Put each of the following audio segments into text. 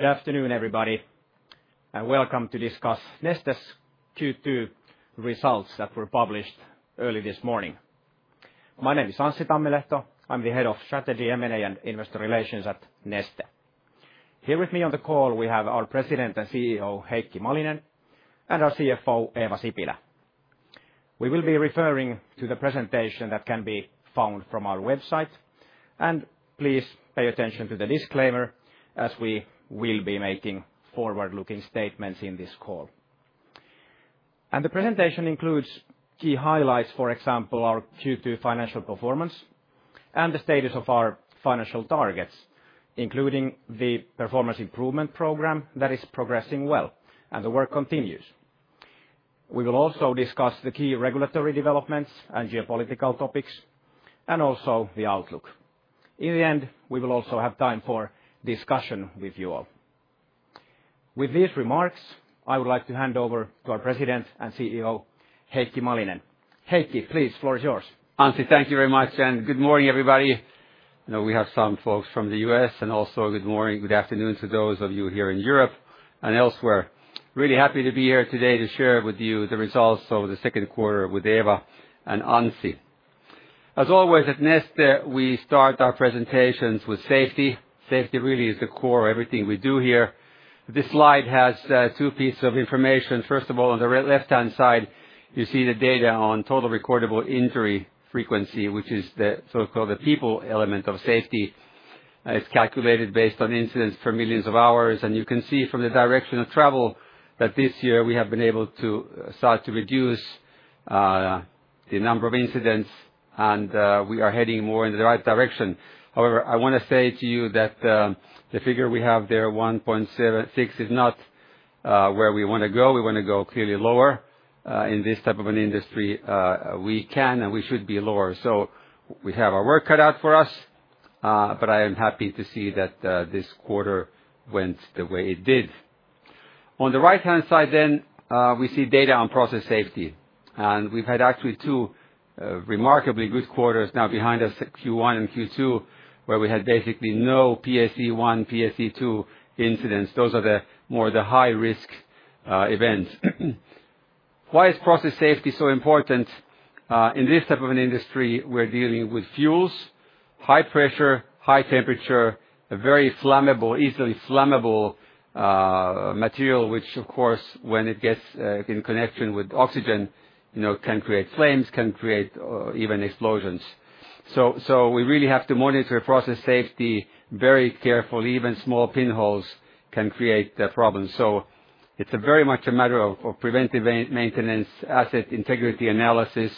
Good afternoon, everybody. Welcome to discuss Neste's Q2 results that were published early this morning. My name is Anssi Tammilehto. I'm the Head of Strategy, M&A, and Investor Relations at Neste. Here with me on the call, we have our President and CEO, Heikki Malinen, and our CFO, Eeva Sipilä. We will be referring to the presentation that can be found from our website, and please pay attention to the disclaimer as we will be making forward-looking statements in this call. The presentation includes key highlights, for example, our Q2 financial performance and the status of our financial targets, including the performance improvement program that is progressing well, and the work continues. We will also discuss the key regulatory developments and geopolitical topics, and also the outlook. In the end, we will also have time for discussion with you all. With these remarks, I would like to hand over to our President and CEO, Heikki Malinen. Heikki, please, the floor is yours. Anssi, thank you very much, and good morning, everybody. We have some folks from the U.S., and also good morning, good afternoon to those of you here in Europe and elsewhere. Really happy to be here today to share with you the results of the second quarter with Eeva and Anssi. As always at Neste, we start our presentations with safety. Safety really is the core of everything we do here. This slide has two pieces of information. First of all, on the left-hand side, you see the data on total recordable injury frequency, which is the so-called people element of safety. It's calculated based on incidents per million hours, and you can see from the direction of travel that this year we have been able to start to reduce the number of incidents, and we are heading more in the right direction. However, I want to say to you that the figure we have there, 1.6, is not where we want to go. We want to go clearly lower in this type of an industry. We can, and we should be lower. So we have our work cut out for us. I am happy to see that this quarter went the way it did. On the right-hand side, then, we see data on process safety. We've had actually two remarkably good quarters now behind us, Q1 and Q2, where we had basically no PSE1, PSE2 incidents. Those are more the high-risk events. Why is process safety so important? In this type of an industry, we're dealing with fuels, high pressure, high temperature, a very flammable, easily flammable material, which, of course, when it gets in connection with oxygen, can create flames, can create even explosions. We really have to monitor process safety very carefully. Even small pinholes can create problems. It's very much a matter of preventive maintenance, asset integrity analysis,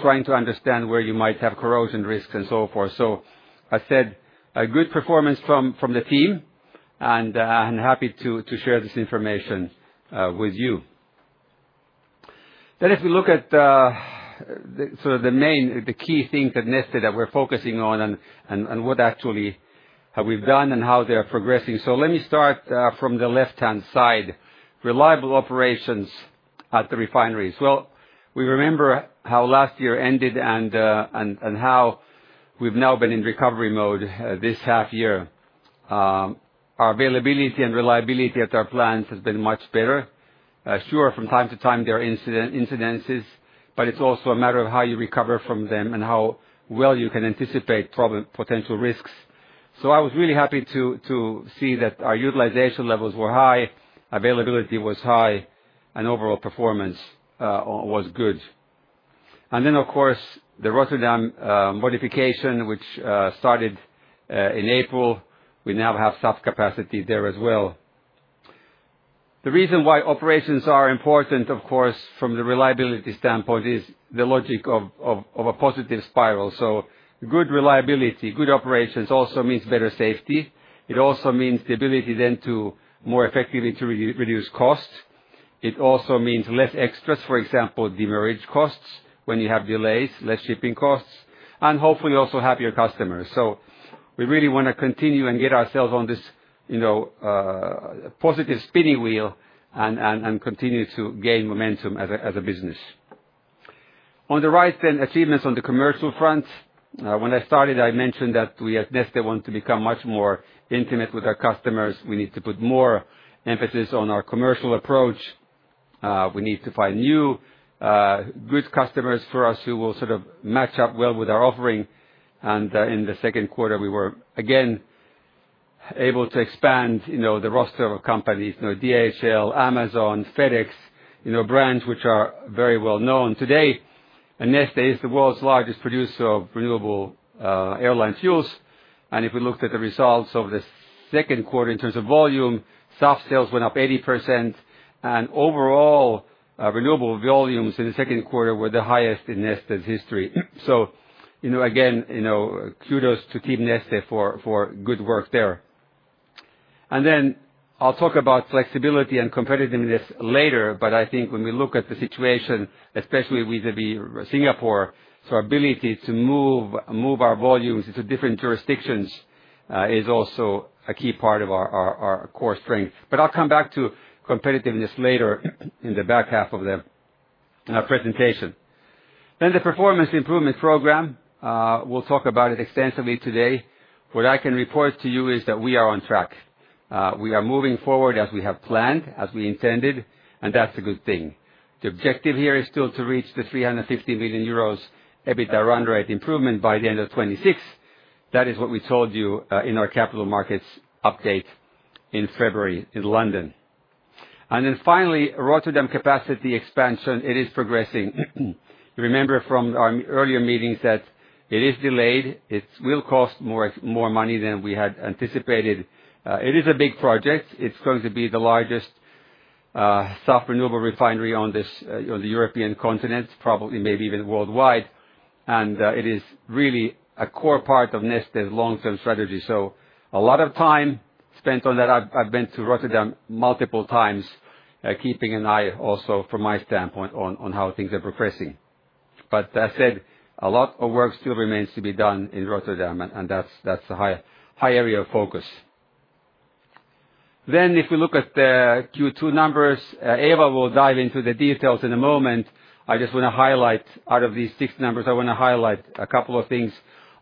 trying to understand where you might have corrosion risks and so forth. I said good performance from the team, and I'm happy to share this information with you. If we look at sort of the key things at Neste that we're focusing on and what actually we've done and how they're progressing. Let me start from the left-hand side, reliable operations at the refineries. We remember how last year ended and how we've now been in recovery mode this half year. Our availability and reliability at our plants has been much better. Sure, from time to time, there are incidences, but it's also a matter of how you recover from them and how well you can anticipate potential risks. I was really happy to see that our utilization levels were high, availability was high, and overall performance was good. Of course, the Rotterdam modification, which started in April, we now have soft capacity there as well. The reason why operations are important, of course, from the reliability standpoint, is the logic of a positive spiral. Good reliability, good operations also means better safety. It also means the ability then to more effectively reduce costs. It also means less extras, for example, demerit costs when you have delays, less shipping costs, and hopefully also happier customers. We really want to continue and get ourselves on this positive spinning wheel and continue to gain momentum as a business. On the right, achievements on the commercial front. When I started, I mentioned that we at Neste want to become much more intimate with our customers. We need to put more emphasis on our commercial approach. We need to find new good customers for us who will sort of match up well with our offering. In the second quarter, we were again able to expand the roster of companies: DHL, Amazon, FedEx, brands which are very well known. Today, Neste is the world's largest producer of renewable airline fuels. If we looked at the results of the second quarter in terms of volume, SAF sales went up 80%, and overall renewable volumes in the second quarter were the highest in Neste's history. Again, kudos to Team Neste for good work there. I'll talk about flexibility and competitiveness later, but I think when we look at the situation, especially vis-à-vis Singapore, our ability to move our volumes into different jurisdictions is also a key part of our core strength. I'll come back to competitiveness later in the back half of the presentation. The performance improvement program, we'll talk about it extensively today. What I can report to you is that we are on track. We are moving forward as we have planned, as we intended, and that's a good thing. The objective here is still to reach the 350 million euros EBITDA run rate improvement by the end of 2026. That is what we told you in our capital markets update in February in London. Finally, Rotterdam capacity expansion, it is progressing. You remember from our earlier meetings that it is delayed. It will cost more money than we had anticipated. It is a big project. It's going to be the largest SAF renewable refinery on the European continent, probably maybe even worldwide. It is really a core part of Neste's long-term strategy. A lot of time spent on that. I've been to Rotterdam multiple times, keeping an eye also from my standpoint on how things are progressing. As I said, a lot of work still remains to be done in Rotterdam, and that's a high area of focus. If we look at the Q2 numbers, Eeva will dive into the details in a moment. I just want to highlight, out of these six numbers, I want to highlight a couple of things.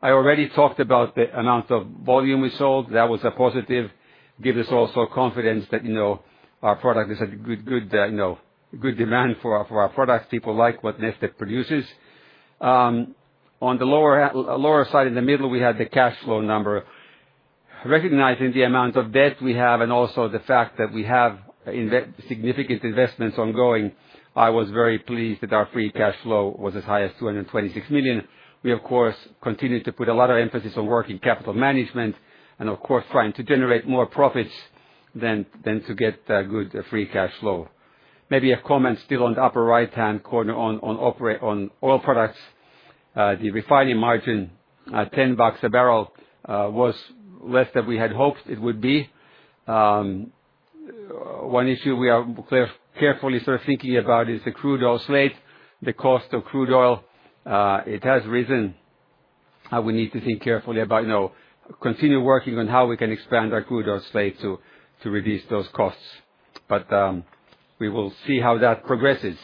I already talked about the amount of volume we sold. That was a positive. It gives us also confidence that our product is at good demand for our products. People like what Neste produces. On the lower side in the middle, we had the cash flow number. Recognizing the amount of debt we have and also the fact that we have significant investments ongoing, I was very pleased that our free cash flow was as high as 226 million. We, of course, continue to put a lot of emphasis on working capital management and, of course, trying to generate more profits than to get good free cash flow. Maybe a comment still on the upper right-hand corner on oil products. The refining margin, $10 a barrel, was less than we had hoped it would be. One issue we are carefully sort of thinking about is the crude oil slate. The cost of crude oil, it has risen. We need to think carefully about continuing working on how we can expand our crude oil slate to reduce those costs. We will see how that progresses.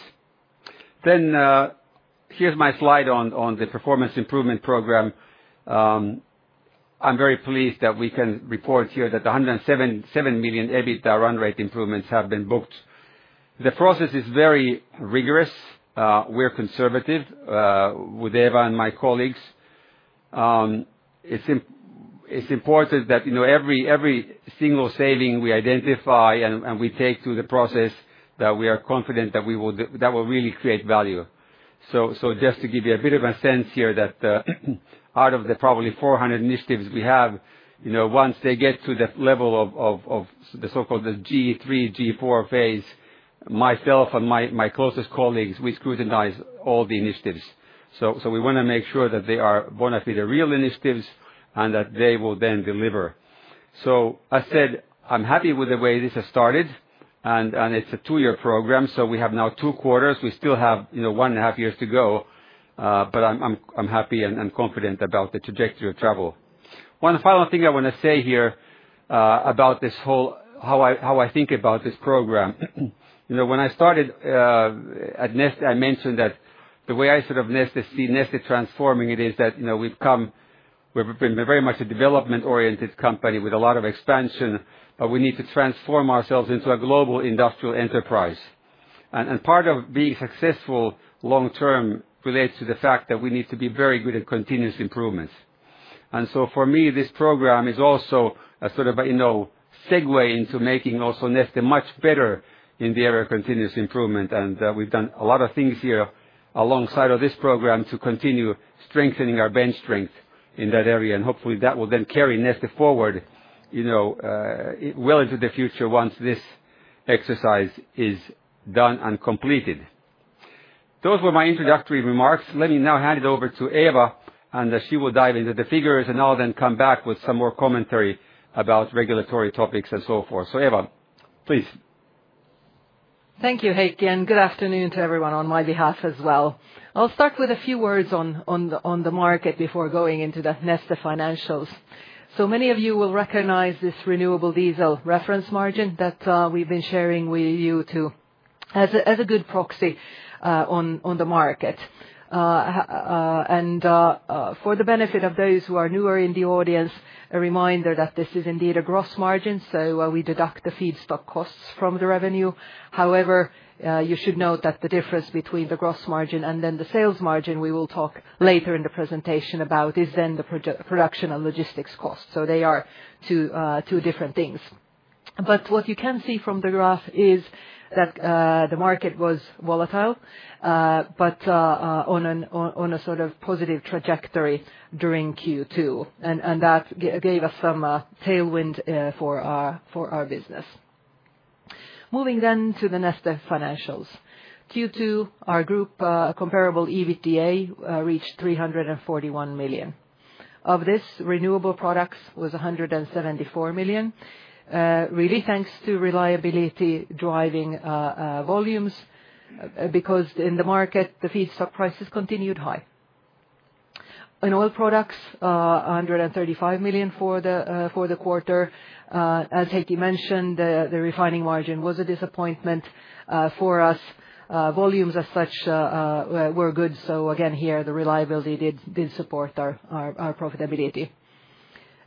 Here is my slide on the performance improvement program. I'm very pleased that we can report here that the 107 million EBITDA run rate improvements have been booked. The process is very rigorous. We're conservative. With Eeva and my colleagues. It's important that every single saving we identify and we take to the process, that we are confident that will really create value. Just to give you a bit of a sense here that out of the probably 400 initiatives we have, once they get to the level of the so-called G3, G4 phase, myself and my closest colleagues, we scrutinize all the initiatives. We want to make sure that they are going to be the real initiatives and that they will then deliver. I said I'm happy with the way this has started, and it's a two-year program, so we have now two quarters. We still have one and a half years to go, but I'm happy and confident about the trajectory of travel. One final thing I want to say here about this whole, how I think about this program. When I started at Neste, I mentioned that the way I sort of see Neste transforming it is that we've come. We've been very much a development-oriented company with a lot of expansion, but we need to transform ourselves into a global industrial enterprise. Part of being successful long-term relates to the fact that we need to be very good at continuous improvements. For me, this program is also a sort of segue into making also Neste much better in the area of continuous improvement. We've done a lot of things here alongside of this program to continue strengthening our bench strength in that area, and hopefully that will then carry Neste forward into the future once this exercise is done and completed. Those were my introductory remarks. Let me now hand it over to Eeva, and she will dive into the figures and I'll then come back with some more commentary about regulatory topics and so forth. Eeva, please. Thank you, Heikki, and good afternoon to everyone on my behalf as well. I'll start with a few words on the market before going into the Neste financials. Many of you will recognize this renewable diesel reference margin that we've been sharing with you too as a good proxy on the market. For the benefit of those who are newer in the audience, a reminder that this is indeed a gross margin, so we deduct the feedstock costs from the revenue. However, you should note that the difference between the gross margin and then the sales margin we will talk later in the presentation about is then the production and logistics costs. They are two different things. What you can see from the graph is that the market was volatile. On a sort of positive trajectory during Q2, and that gave us some tailwind for our business. Moving then to the Neste financials. Q2, our group comparable EBITDA reached 341 million. Of this, renewable products was 174 million. Really thanks to reliability driving volumes because in the market, the feedstock prices continued high. In oil products, 135 million for the quarter. As Heikki mentioned, the refining margin was a disappointment for us. Volumes as such were good. Again, here, the reliability did support our profitability.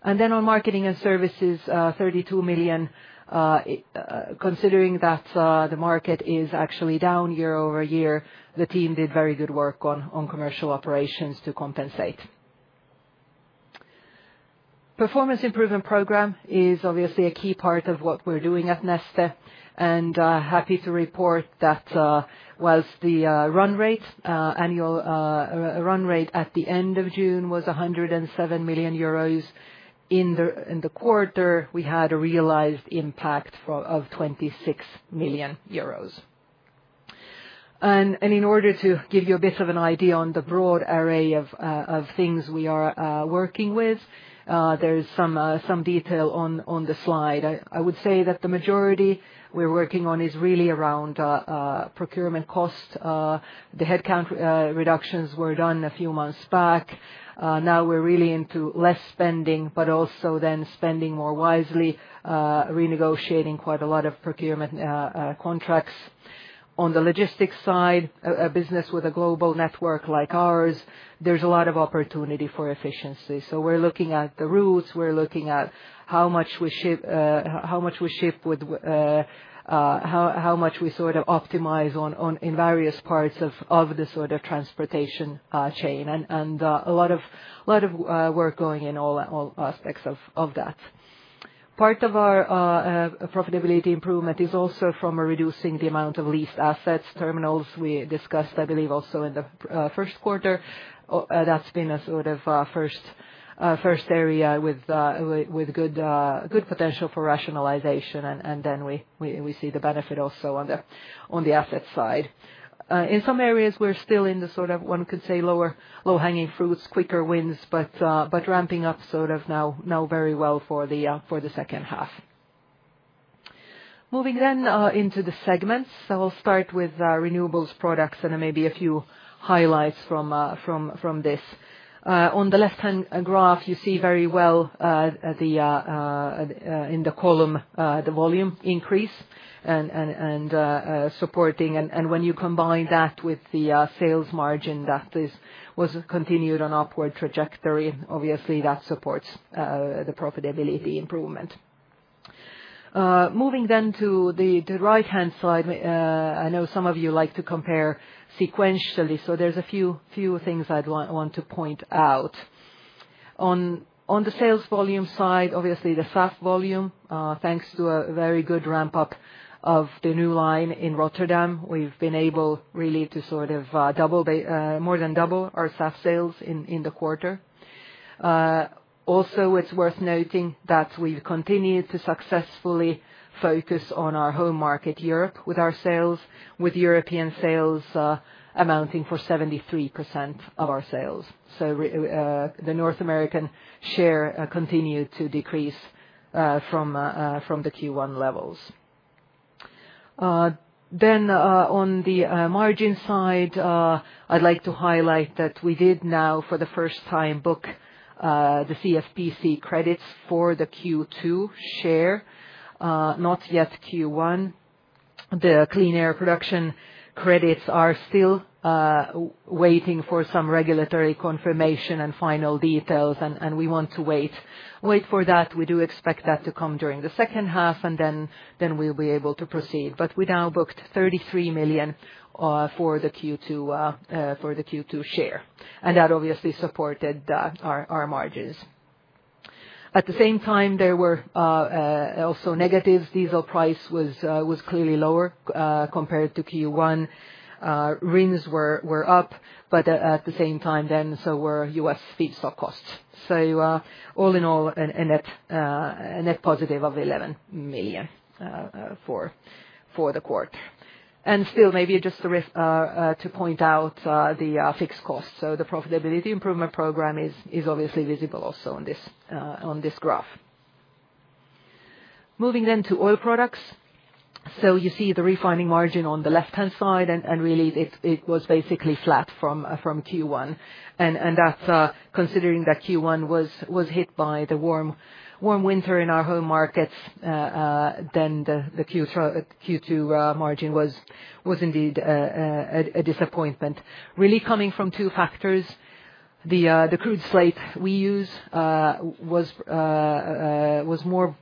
Then on marketing and services, 32 million. Considering that the market is actually down year-over-year, the team did very good work on commercial operations to compensate. Performance improvement program is obviously a key part of what we're doing at Neste, and I'm happy to report that whilst the run rate, annual run rate at the end of June was 107 million euros, in the quarter, we had a realized impact of 26 million euros. In order to give you a bit of an idea on the broad array of things we are working with, there's some detail on the slide. I would say that the majority we're working on is really around procurement cost. The headcount reductions were done a few months back. Now we're really into less spending, but also then spending more wisely, renegotiating quite a lot of procurement contracts. On the logistics side, a business with a global network like ours, there's a lot of opportunity for efficiency. We're looking at the routes. We're looking at how much we ship with, how much we sort of optimize in various parts of the sort of transportation chain, and a lot of work going in all aspects of that. Part of our profitability improvement is also from reducing the amount of leased assets. Terminals we discussed, I believe, also in the first quarter. That's been a sort of first area with good potential for rationalization, and then we see the benefit also on the asset side. In some areas, we're still in the sort of, one could say, low-hanging fruits, quicker wins, but ramping up sort of now very well for the second half. Moving then into the segments, I'll start with renewables products and maybe a few highlights from this. On the left-hand graph, you see very well in the column the volume increase and supporting, and when you combine that with the sales margin that was continued on an upward trajectory, obviously that supports the profitability improvement. Moving then to the right-hand side, I know some of you like to compare sequentially, so there's a few things I'd want to point out. On the sales volume side, obviously the SAF volume, thanks to a very good ramp-up of the new line in Rotterdam, we've been able really to sort of more than double our SAF sales in the quarter. Also, it's worth noting that we've continued to successfully focus on our home market, Europe, with our sales, with European sales amounting for 73% of our sales. The North American share continued to decrease from the Q1 levels. On the margin side, I'd like to highlight that we did now for the first time book the CFPC credits for the Q2 share, not yet Q1. The clean air production credits are still waiting for some regulatory confirmation and final details, and we want to wait for that. We do expect that to come during the second half, and then we'll be able to proceed. But we now booked 33 million for the Q2 share, and that obviously supported our margins. At the same time, there were also negatives. Diesel price was clearly lower compared to Q1. RINs were up, but at the same time then so were US feedstock costs. All in all, a net positive of 11 million for the quarter. Still, maybe just to point out the fixed costs. The profitability improvement program is obviously visible also on this graph. Moving then to oil products. You see the refining margin on the left-hand side, and really it was basically flat from Q1. That's considering that Q1 was hit by the warm winter in our home markets. The Q2 margin was indeed a disappointment, really coming from two factors. The crude slate we use was more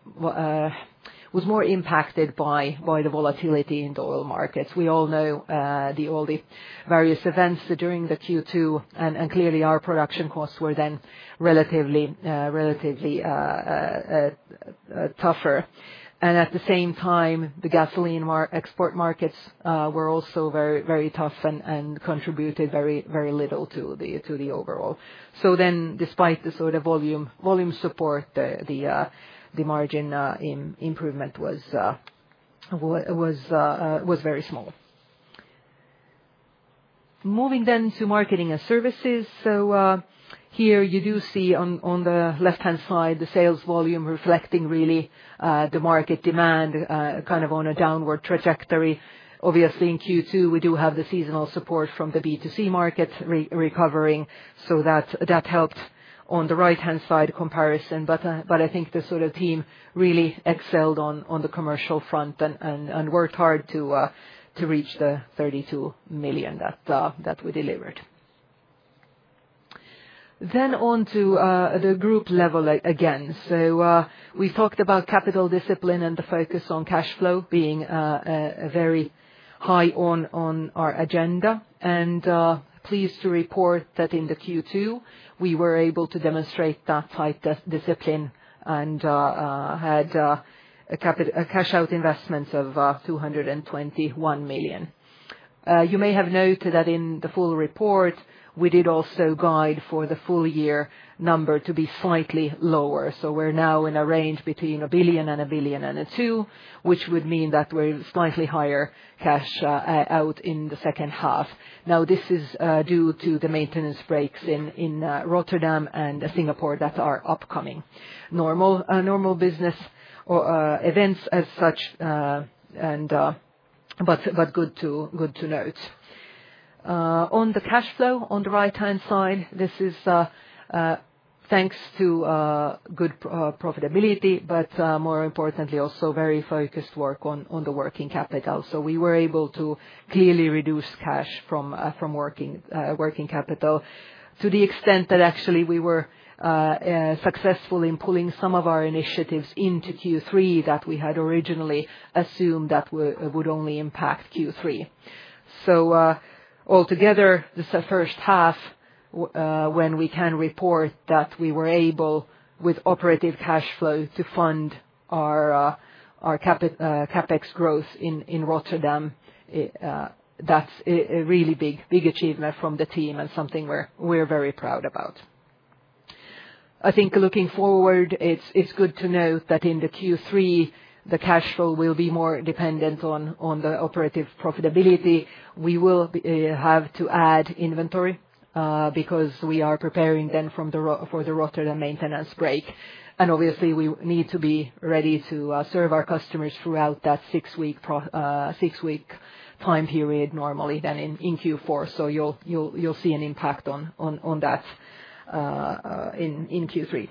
impacted by the volatility in the oil markets. We all know the various events during the Q2, and clearly our production costs were then relatively tougher. At the same time, the gasoline export markets were also very tough and contributed very little to the overall. Despite the sort of volume support, the margin improvement was very small. Moving then to marketing and services. Here you do see on the left-hand side the sales volume reflecting really the market demand kind of on a downward trajectory. Obviously, in Q2, we do have the seasonal support from the B2C market recovering, so that helped on the right-hand side comparison. I think the sort of team really excelled on the commercial front and worked hard to reach the 32 million that we delivered. On to the group level again. We talked about capital discipline and the focus on cash flow being very high on our agenda. I am pleased to report that in Q2, we were able to demonstrate that type of discipline and had cash-out investments of 221 million. You may have noted that in the full report, we did also guide for the full year number to be slightly lower. We are now in a range between 1 billion–1.2 billion, which would mean that we are slightly higher cash out in the second half. This is due to the maintenance breaks in Rotterdam and Singapore that are upcoming. Normal business events as such, but good to note. On the cash flow, on the right-hand side, this is thanks to good profitability, but more importantly, also very focused work on the working capital. We were able to clearly reduce cash from working capital to the extent that actually we were successful in pulling some of our initiatives into Q3 that we had originally assumed would only impact Q3. Altogether, the first half, we can report that we were able with operative cash flow to fund our CapEx growth in Rotterdam. That is a really big achievement from the team and something we are very proud about. I think looking forward, it is good to note that in Q3, the cash flow will be more dependent on the operative profitability. We will have to add inventory because we are preparing then for the Rotterdam maintenance break, and obviously, we need to be ready to serve our customers throughout that six-week time period normally then in Q4. You will see an impact on that in Q3.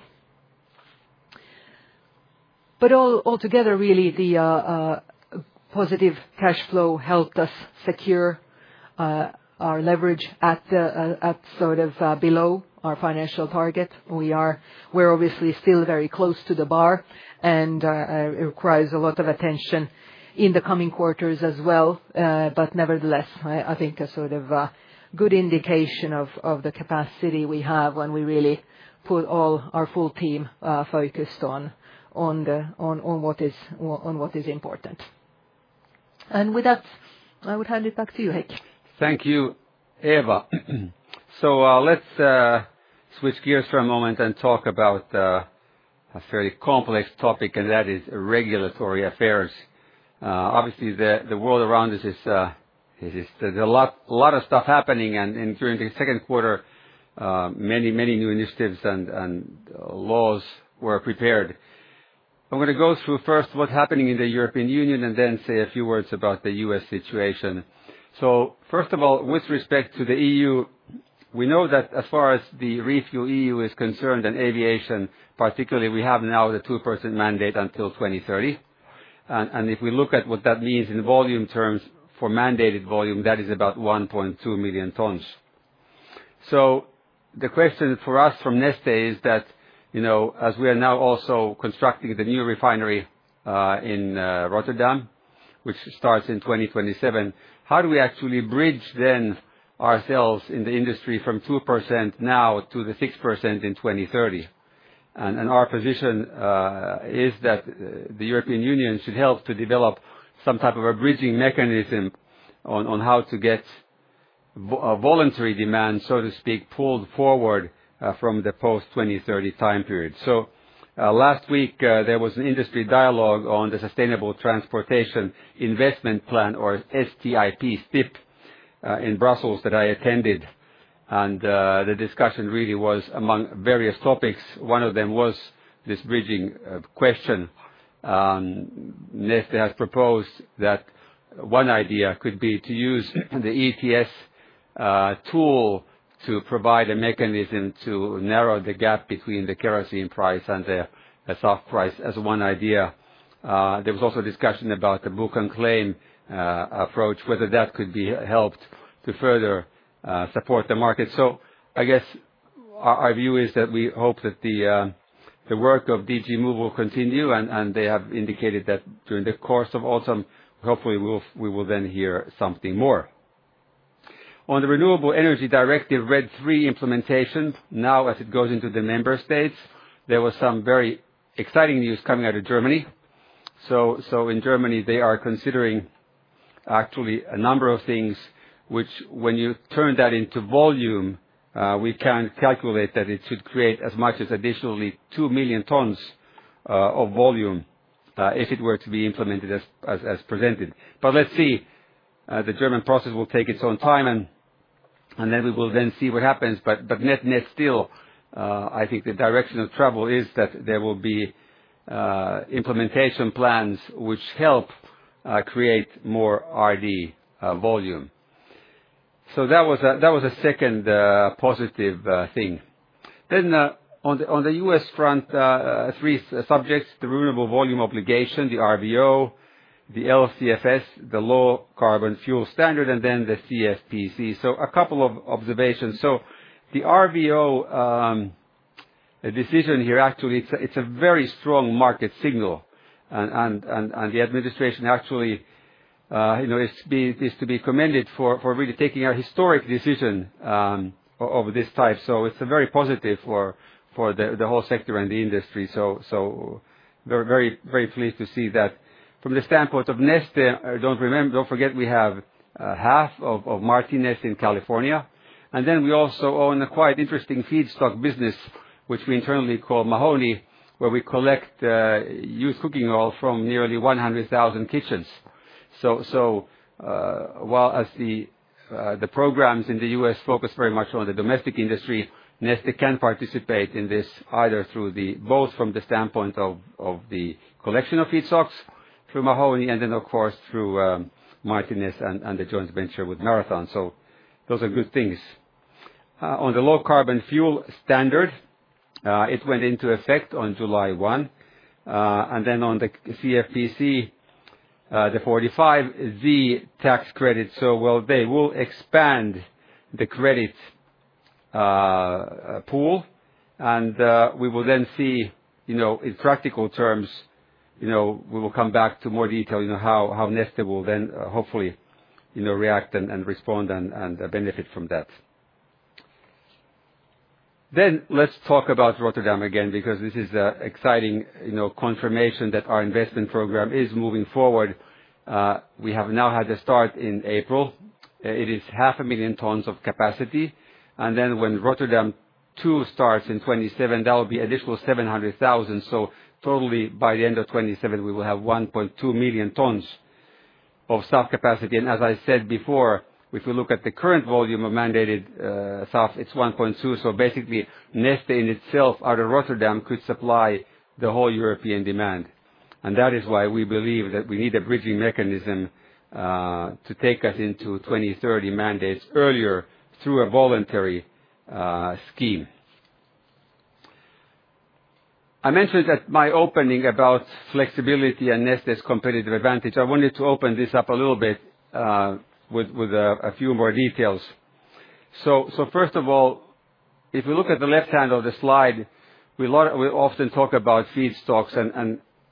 Altogether, the positive cash flow helped us secure our leverage at sort of below our financial target. We are obviously still very close to the bar, and it requires a lot of attention in the coming quarters as well. Nevertheless, I think it is a sort of good indication of the capacity we have when we really put all our full team focused on what is important. With that, I would hand it back to you, Heikki. Thank you, Eeva. Let's switch gears for a moment and talk about a fairly complex topic, and that is regulatory affairs. Obviously, the world around us is, there's a lot of stuff happening, and during the second quarter, many, many new initiatives and laws were prepared. I'm going to go through first what's happening in the European Union and then say a few words about the U.S. situation. First of all, with respect to the EU, we know that as far as the RefuelEU is concerned and aviation, particularly, we have now the 2% mandate until 2030. If we look at what that means in volume terms for mandated volume, that is about 1.2 million tons. The question for us from Neste is that as we are now also constructing the new refinery in Rotterdam, which starts in 2027, how do we actually bridge then ourselves in the industry from 2% now to the 6% in 2030? Our position is that the European Union should help to develop some type of a bridging mechanism on how to get voluntary demand, so to speak, pulled forward from the post-2030 time period. Last week, there was an industry dialogue on the Sustainable Transportation Investment Plan, or STIP, in Brussels that I attended. The discussion really was among various topics. One of them was this bridging question. Neste has proposed that one idea could be to use the ETS tool to provide a mechanism to narrow the gap between the kerosene price and the SAF price as one idea. There was also discussion about the book-and-claim approach, whether that could be helped to further support the market. I guess our view is that we hope that the work of DG Move will continue, and they have indicated that during the course of autumn, hopefully, we will then hear something more. On the Renewable Energy Directive RED III implementation, now as it goes into the member states, there was some very exciting news coming out of Germany. In Germany, they are considering actually a number of things which, when you turn that into volume, we can calculate that it should create as much as additionally 2 million tons of volume if it were to be implemented as presented. Let's see. The German process will take its own time, and we will then see what happens. Net-net still, I think the direction of travel is that there will be implementation plans which help create more RD volume. That was a second positive thing. On the U.S. front, three subjects: the Renewable Volume Obligation, the RVO, the LCFS, the Low Carbon Fuel Standard, and then the CFPC. A couple of observations. The RVO decision here, actually, it's a very strong market signal. The administration actually is to be commended for really taking a historic decision of this type. It's very positive for. The whole sector and the industry. Very pleased to see that. From the standpoint of Neste, don't forget we have half of Martinez in California. We also own a quite interesting feedstock business, which we internally call Mahoney, where we collect used cooking oil from nearly 100,000 kitchens. While the programs in the U.S. focus very much on the domestic industry, Neste can participate in this either through both from the standpoint of the collection of feedstocks through Mahoney and then, of course, through Martinez and the joint venture with Marathon. Those are good things. On the Low Carbon Fuel Standard, it went into effect on July 1. On the CFPC, the 45Z tax credit, they will expand the credit pool. We will then see, in practical terms, we will come back to more detail how Neste will then hopefully react and respond and benefit from that. Let's talk about Rotterdam again because this is an exciting confirmation that our investment program is moving forward. We have now had the start in April. It is 500,000 tons of capacity. When Rotterdam two starts in 2027, that will be an additional 700,000. Totally, by the end of 2027, we will have 1.2 million tons of SAF capacity. As I said before, if we look at the current volume of mandated SAF, it's 1.2. Basically, Neste in itself out of Rotterdam could supply the whole European demand. That is why we believe that we need a bridging mechanism to take us into 2030 mandates earlier through a voluntary scheme. I mentioned at my opening about flexibility and Neste's competitive advantage. I wanted to open this up a little bit with a few more details. First of all, if we look at the left hand of the slide, we often talk about feedstocks.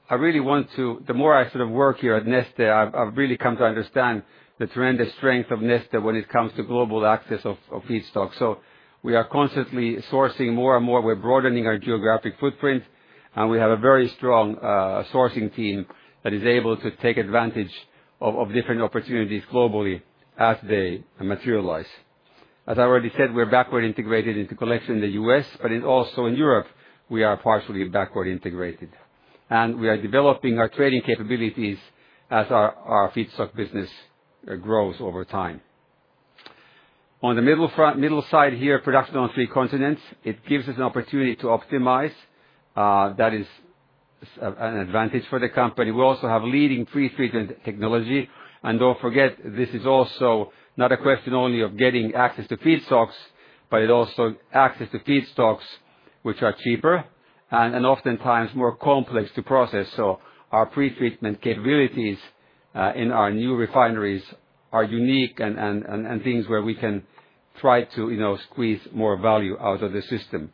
I really want to, the more I sort of work here at Neste, I've really come to understand the tremendous strength of Neste when it comes to global access of feedstocks. We are constantly sourcing more and more. We're broadening our geographic footprint. We have a very strong sourcing team that is able to take advantage of different opportunities globally as they materialize. As I already said, we're backward integrated into collection in the U.S., but also in Europe, we are partially backward integrated. We are developing our trading capabilities as our feedstock business grows over time. On the middle side here, production on three continents gives us an opportunity to optimize. That is an advantage for the company. We also have leading pre-treatment technology. Don't forget, this is also not a question only of getting access to feedstocks, but it also access to feedstocks which are cheaper and oftentimes more complex to process. Our pre-treatment capabilities in our new refineries are unique and things where we can try to squeeze more value out of the system.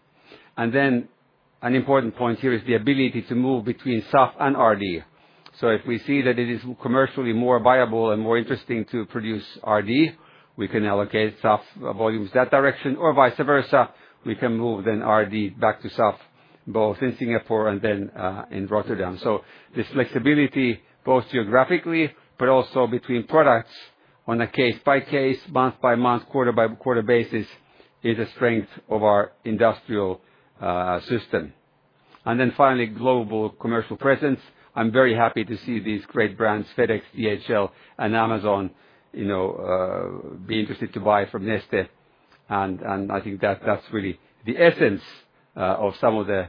An important point here is the ability to move between SAF and RD. If we see that it is commercially more viable and more interesting to produce RD, we can allocate SAF volumes that direction. Or vice versa, we can move RD back to SAF both in Singapore and in Rotterdam. This flexibility, both geographically but also between products on a case-by-case, month-by-month, quarter-by-quarter basis, is a strength of our industrial system. Finally, global commercial presence. I am very happy to see these great brands, FedEx, DHL, and Amazon, be interested to buy from Neste. I think that is really the essence of some of the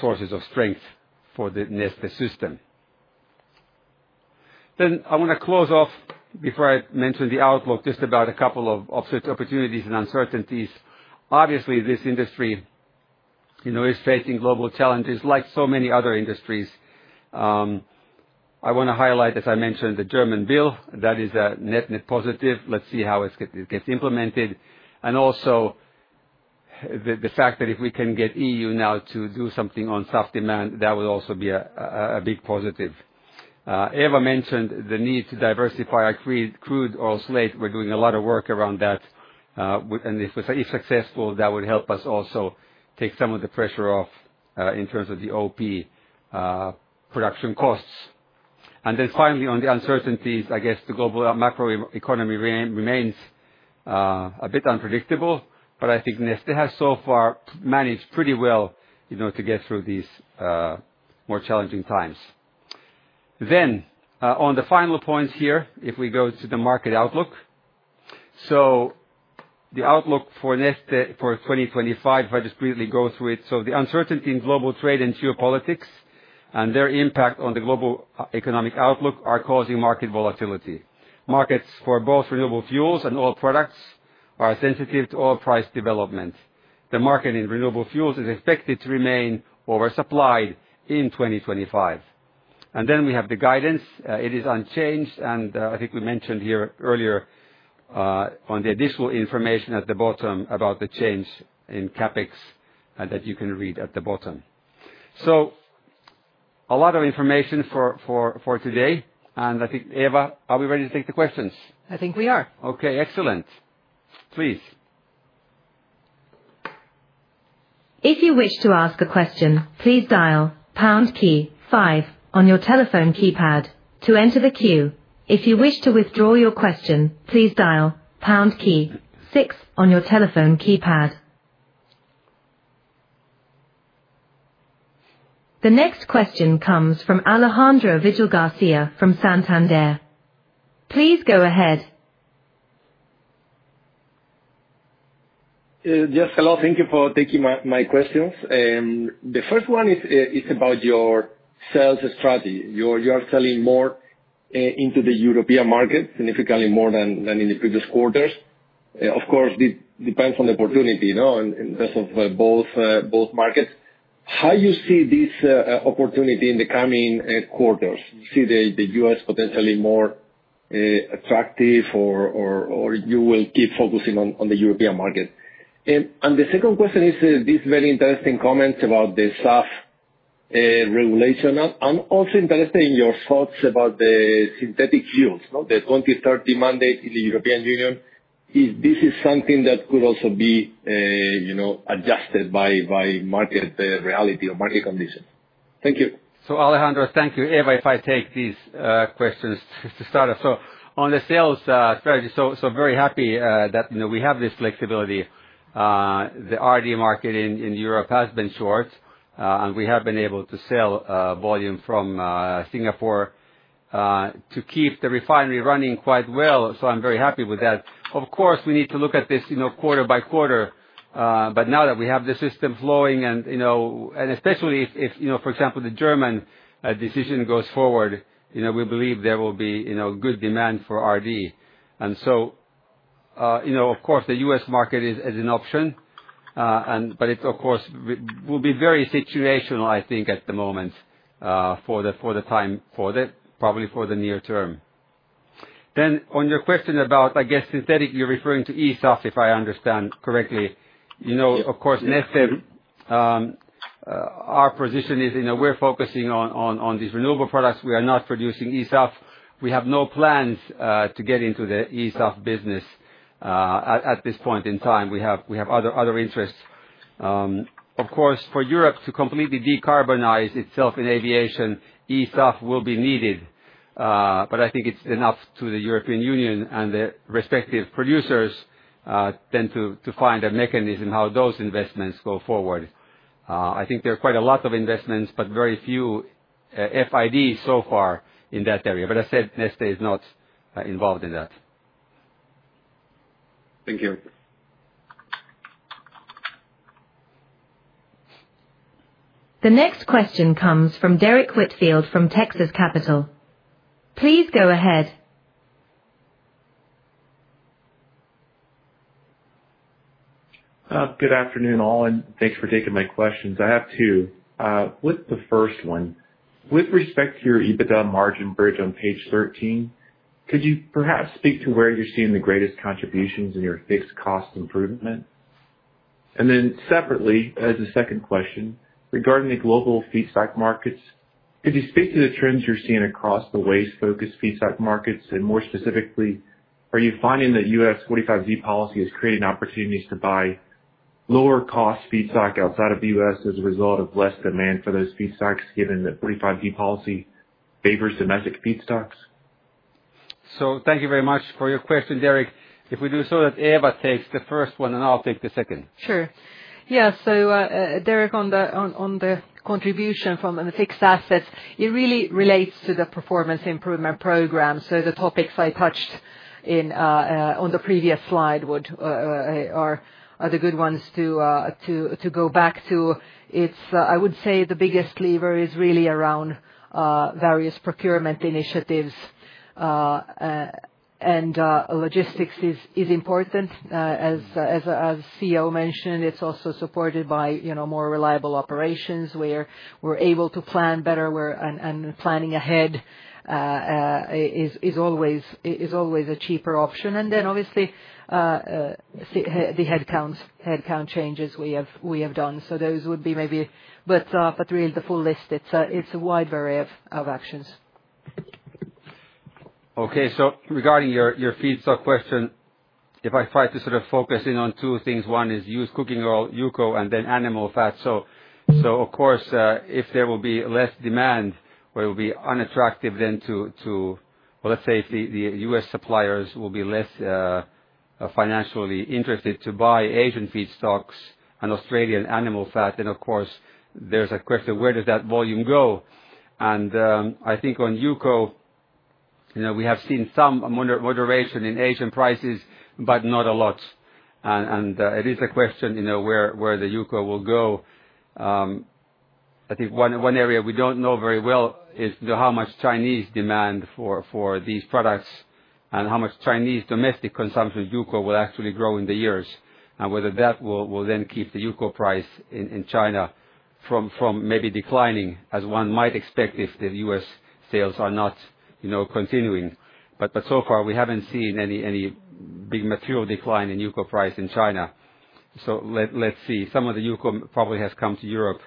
sources of strength for the Neste system. I want to close off before I mention the outlook just about a couple of such opportunities and uncertainties. Obviously, this industry is facing global challenges like so many other industries. I want to highlight, as I mentioned, the German bill. That is a net-net positive. Let's see how it gets implemented. Also, the fact that if we can get EU now to do something on SAF demand, that would also be a big positive. Eva mentioned the need to diversify our crude oil slate. We are doing a lot of work around that. If successful, that would help us also take some of the pressure off in terms of the OP production costs. Finally, on the uncertainties, I guess the global macroeconomy remains a bit unpredictable, but I think Neste has so far managed pretty well to get through these more challenging times. On the final points here, if we go to the market outlook. The outlook for Neste for 2025, if I just briefly go through it. The uncertainty in global trade and geopolitics and their impact on the global economic outlook are causing market volatility. Markets for both renewable fuels and oil products are sensitive to oil price development. The market in renewable fuels is expected to remain oversupplied in 2025. We have the guidance. It is unchanged. I think we mentioned here earlier on the additional information at the bottom about the change in CapEx that you can read at the bottom. A lot of information for today. I think, Eva, are we ready to take the questions? I think we are. Okay. Excellent. Please. If you wish to ask a question, please dial pound key five on your telephone keypad to enter the queue. If you wish to withdraw your question, please dial pound key six on your telephone keypad. The next question comes from Alejandro Vigil Garcia from Santander. Please go ahead. Yes, hello. Thank you for taking my questions. The first one is about your sales strategy. You are selling more into the European market, significantly more than in the previous quarters. Of course, it depends on the opportunity in terms of both markets. How do you see this opportunity in the coming quarters? Do you see the U.S. potentially more attractive, or will you keep focusing on the European market? The second question is this very interesting comment about the SAF regulation. I'm also interested in your thoughts about the synthetic fuels, the 2030 mandate in the European Union. This is something that could also be adjusted by market reality or market conditions. Thank you. Alejandro, thank you. Eva, if I take these questions to start off. On the sales strategy, I am very happy that we have this flexibility. The RD market in Europe has been short, and we have been able to sell volume from Singapore to keep the refinery running quite well. I am very happy with that. Of course, we need to look at this quarter by quarter. Now that we have the system flowing, and especially if, for example, the German decision goes forward, we believe there will be good demand for RD. The US market is an option. It will be very situational, I think, at the moment for the time, probably for the near term. On your question about, I guess, synthetic, you are referring to e–ESAF, if I understand correctly. Of course, Neste, our position is we are focusing on these renewable products. We are not producing e–SAF. We have no plans to get into the e–SAF business at this point in time. We have other interests. For Europe to completely decarbonize itself in aviation, e–SAF will be needed. I think it is enough to the European Union and the respective producers to find a mechanism how those investments go forward. I think there are quite a lot of investments, but very few FIDs so far in that area. As I said, Neste is not involved in that. Thank you. The next question comes from Derrick Whitfield from Texas Capital. Please go ahead. Good afternoon all, and thanks for taking my questions. I have two. With the first one, with respect to your EBITDA margin bridge on page 13, could you perhaps speak to where you're seeing the greatest contributions in your fixed cost improvement? Separately, as a second question, regarding the global feedstock markets, could you speak to the trends you're seeing across the waste-focused feedstock markets? More specifically, are you finding that US 45Z policy is creating opportunities to buy lower-cost feedstock outside of the US as a result of less demand for those feedstocks, given that 45Z policy favors domestic feedstocks? Thank you very much for your question, Derrick. If we do so that Eva takes the first one, and I'll take the second. Sure. Yeah. Derrick, on the contribution from the fixed assets, it really relates to the performance improvement program. The topics I touched on the previous slide are the good ones to go back to. I would say the biggest lever is really around various procurement initiatives. Logistics is important. As CEO mentioned, it is also supported by more reliable operations where we are able to plan better, and planning ahead is always a cheaper option. Obviously, the headcount changes we have done. Those would be maybe, but really the full list, it is a wide variety of actions. Okay. Regarding your feedstock question, if I try to sort of focus in on two things, one is used cooking oil, UCO, and then animal fat. Of course, if there will be less demand, where it will be unattractive then to, let's say, if the U.S. suppliers will be less financially interested to buy Asian feedstocks and Australian animal fat, then of course, there's a question, where does that volume go? I think on UCO, we have seen some moderation in Asian prices, but not a lot. It is a question where the UCO will go. I think one area we do not know very well is how much Chinese demand for these products and how much Chinese domestic consumption UCO will actually grow in the years. Whether that will then keep the UCO price in China from maybe declining, as one might expect if the U.S. sales are not continuing. So far, we have not seen any big material decline in UCO price in China. Let's see. Some of the UCO probably has come to Europe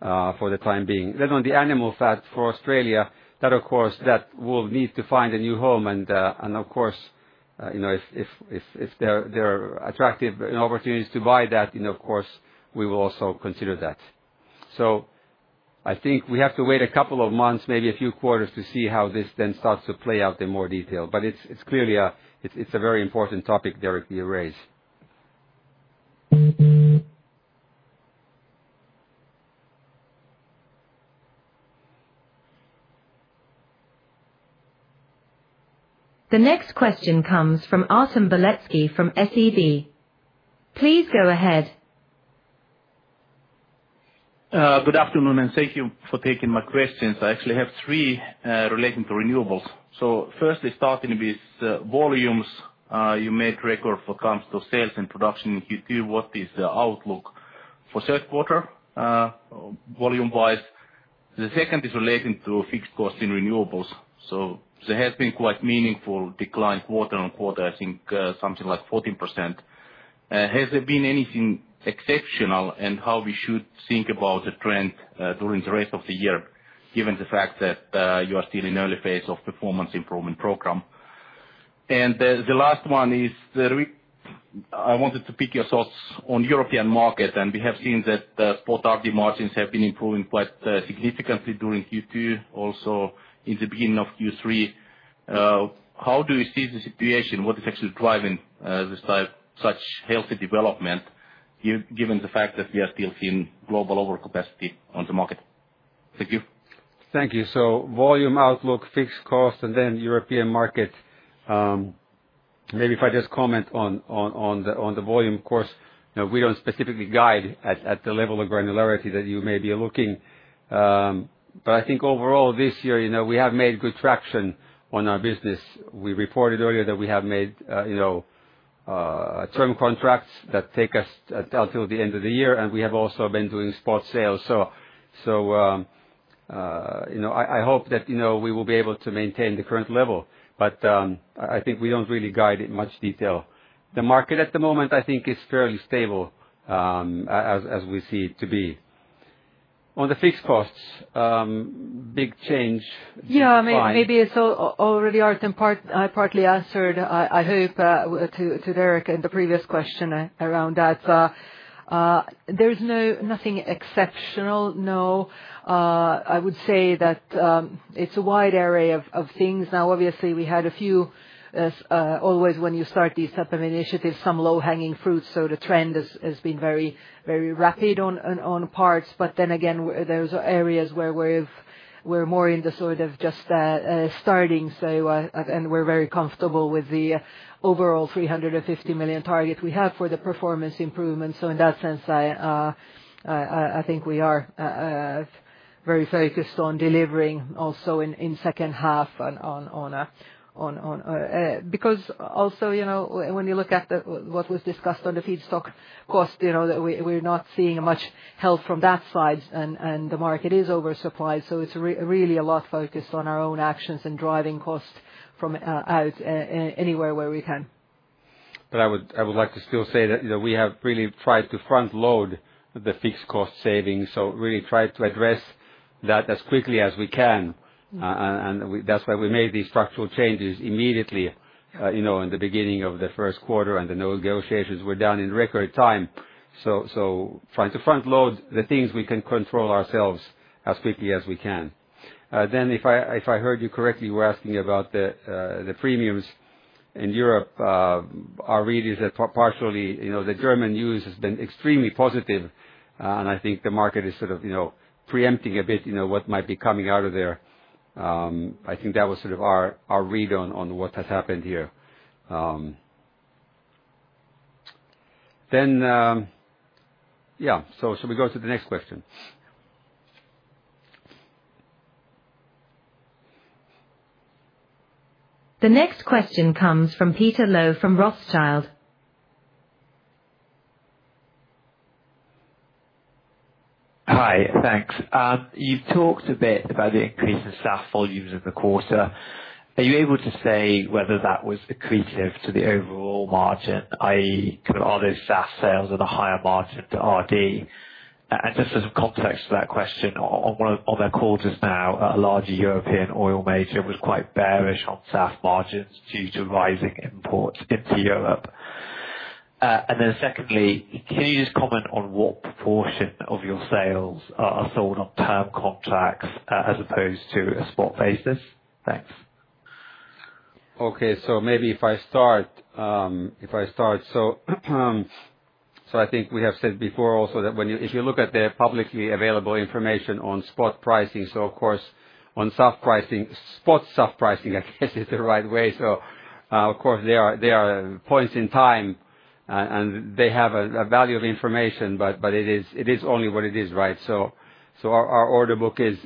for the time being. On the animal fat for Australia, that, of course, will need to find a new home. Of course, if there are attractive opportunities to buy that, of course, we will also consider that. I think we have to wait a couple of months, maybe a few quarters, to see how this then starts to play out in more detail. It is clearly a very important topic, Derrick, that you raised. The next question comes from Artem Beletski from SEB. Please go ahead. Good afternoon, and thank you for taking my questions. I actually have three relating to renewables. Firstly, starting with volumes, you made record when it comes to sales and production in Q2. What is the outlook for third quarter, volume-wise? The second is relating to fixed costs in renewables. There has been quite meaningful decline quarter-on-quarter, I think something like 14%. Has there been anything exceptional and how should we think about the trend during the rest of the year, given the fact that you are still in early phase of performance improvement program? The last one is, I wanted to pick your thoughts on European market, and we have seen that spot RD margins have been improving quite significantly during Q2, also in the beginning of Q3. How do you see the situation? What is actually driving such healthy development, given the fact that we are still seeing global overcapacity on the market? Thank you. Thank you. Volume outlook, fixed cost, and then European market. Maybe if I just comment on the volume. Of course, we do not specifically guide at the level of granularity that you may be looking for. I think overall this year, we have made good traction on our business. We reported earlier that we have made term contracts that take us until the end of the year, and we have also been doing spot sales. I hope that we will be able to maintain the current level. I think we do not really guide in much detail. The market at the moment, I think, is fairly stable as we see it to be. On the fixed costs, big change. Yeah, maybe it's already partly answered, I hope, to Derrick and the previous question around that. There's nothing exceptional, no. I would say that. It's a wide array of things. Now, obviously, we had a few. Always when you start these type of initiatives, some low-hanging fruit. The trend has been very rapid on parts. Then again, there are areas where we're more in the sort of just starting. We're very comfortable with the overall 350 million target we have for the performance improvement. In that sense, I think we are very focused on delivering also in second half on. Because also, when you look at what was discussed on the feedstock cost, we're not seeing much help from that side, and the market is oversupplied. It's really a lot focused on our own actions and driving costs from out anywhere where we can. I would like to still say that we have really tried to front-load the fixed cost savings, so really tried to address that as quickly as we can. That is why we made these structural changes immediately in the beginning of the first quarter, and the negotiations were done in record time. Trying to front-load the things we can control ourselves as quickly as we can. If I heard you correctly, you were asking about the premiums in Europe. Our read is that partially the German news has been extremely positive, and I think the market is sort of pre-empting a bit what might be coming out of there. I think that was sort of our read on what has happened here. Yeah, should we go to the next question? The next question comes from Peter Low from Rothschild. Hi, thanks. You've talked a bit about the increase in SAF volumes in the quarter. Are you able to say whether that was accretive to the overall margin, i.e., are those SAF sales at a higher margin to RD? Just as a context to that question, on that quarter now, a larger European oil major was quite bearish on SAF margins due to rising imports into Europe. Secondly, can you just comment on what proportion of your sales are sold on term contracts as opposed to a spot basis? Thanks. Okay. Maybe if I start. I think we have said before also that if you look at the publicly available information on spot pricing, of course on spot SAF pricing, I guess is the right way. There are points in time, and they have a value of information, but it is only what it is, right? Our order book is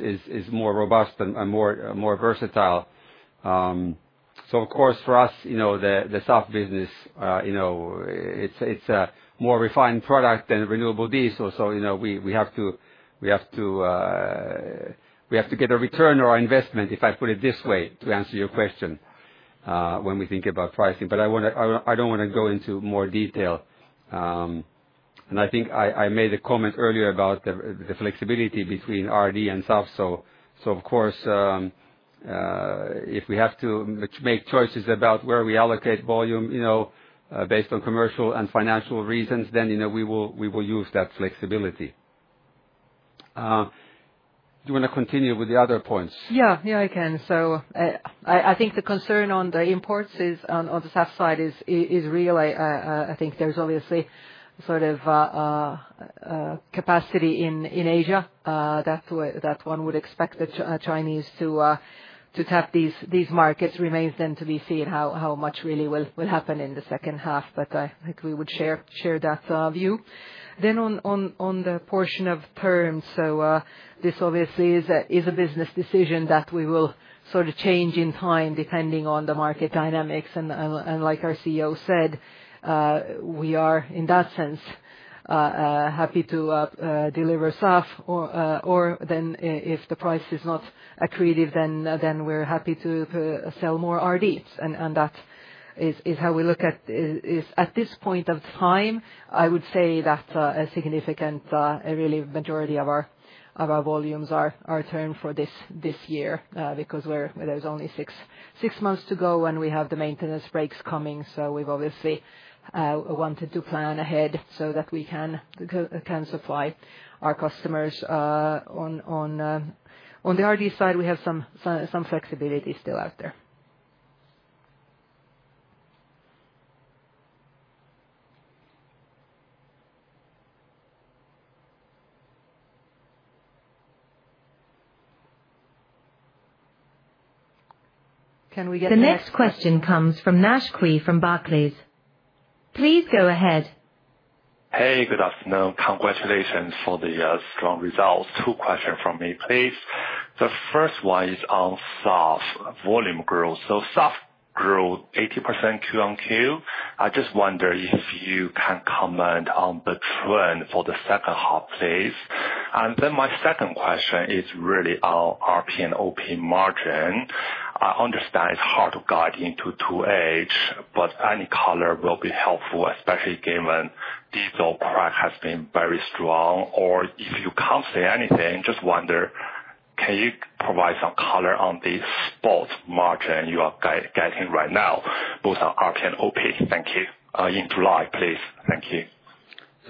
more robust and more versatile. For us, the SAF business is a more refined product than renewable diesel. We have to get a return on our investment, if I put it this way, to answer your question when we think about pricing. I do not want to go into more detail. I think I made a comment earlier about the flexibility between RD and SAF. If we have to make choices about where we allocate volume based on commercial and financial reasons, then we will use that flexibility. Do you want to continue with the other points? Yeah, yeah, I can. I think the concern on the imports on the SAF side is real. I think there's obviously sort of capacity in Asia. That one would expect the Chinese to tap these markets. Remains then to be seen how much really will happen in the second half, but I think we would share that view. On the portion of terms, this obviously is a business decision that we will sort of change in time depending on the market dynamics. Like our CEO said, we are in that sense happy to deliver SAF. Or if the price is not accretive, then we're happy to sell more RDs. That is how we look at it. At this point of time, I would say that a significant, really majority of our volumes are termed for this year because there's only six months to go and we have the maintenance breaks coming. We've obviously wanted to plan ahead so that we can supply our customers. On the RD side, we have some flexibility still out there. The next question comes from Naish Cui from Barclays. Please go ahead. Hey, good afternoon. Congratulations for the strong results. Two questions from me, please. The first one is on SAF volume growth. SAF grew 80% Q-on-Q. I just wonder if you can comment on the trend for the second half, please. Then my second question is really on RP and OP margin. I understand it's hard to guide into 2H, but any color will be helpful, especially given diesel crack has been very strong. If you can't say anything, just wonder, can you provide some color on the spot margin you are getting right now, both on RP and OP? Thank you. In July, please. Thank you.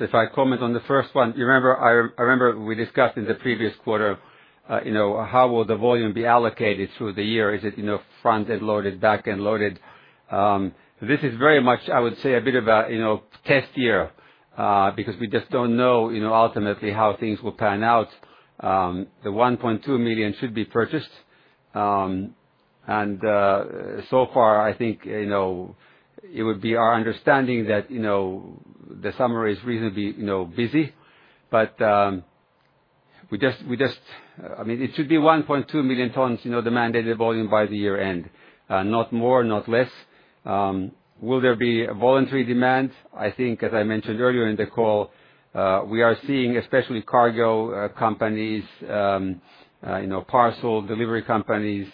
If I comment on the first one, you remember we discussed in the previous quarter. How will the volume be allocated through the year? Is it front-end loaded, back-end loaded? This is very much, I would say, a bit of a test year because we just do not know ultimately how things will pan out. The 1.2 million should be purchased. So far, I think it would be our understanding that the summer is reasonably busy, but we just, I mean, it should be 1.2 million tons, the mandated volume by the year end. Not more, not less. Will there be voluntary demand? I think, as I mentioned earlier in the call, we are seeing, especially cargo companies. Parcel delivery companies,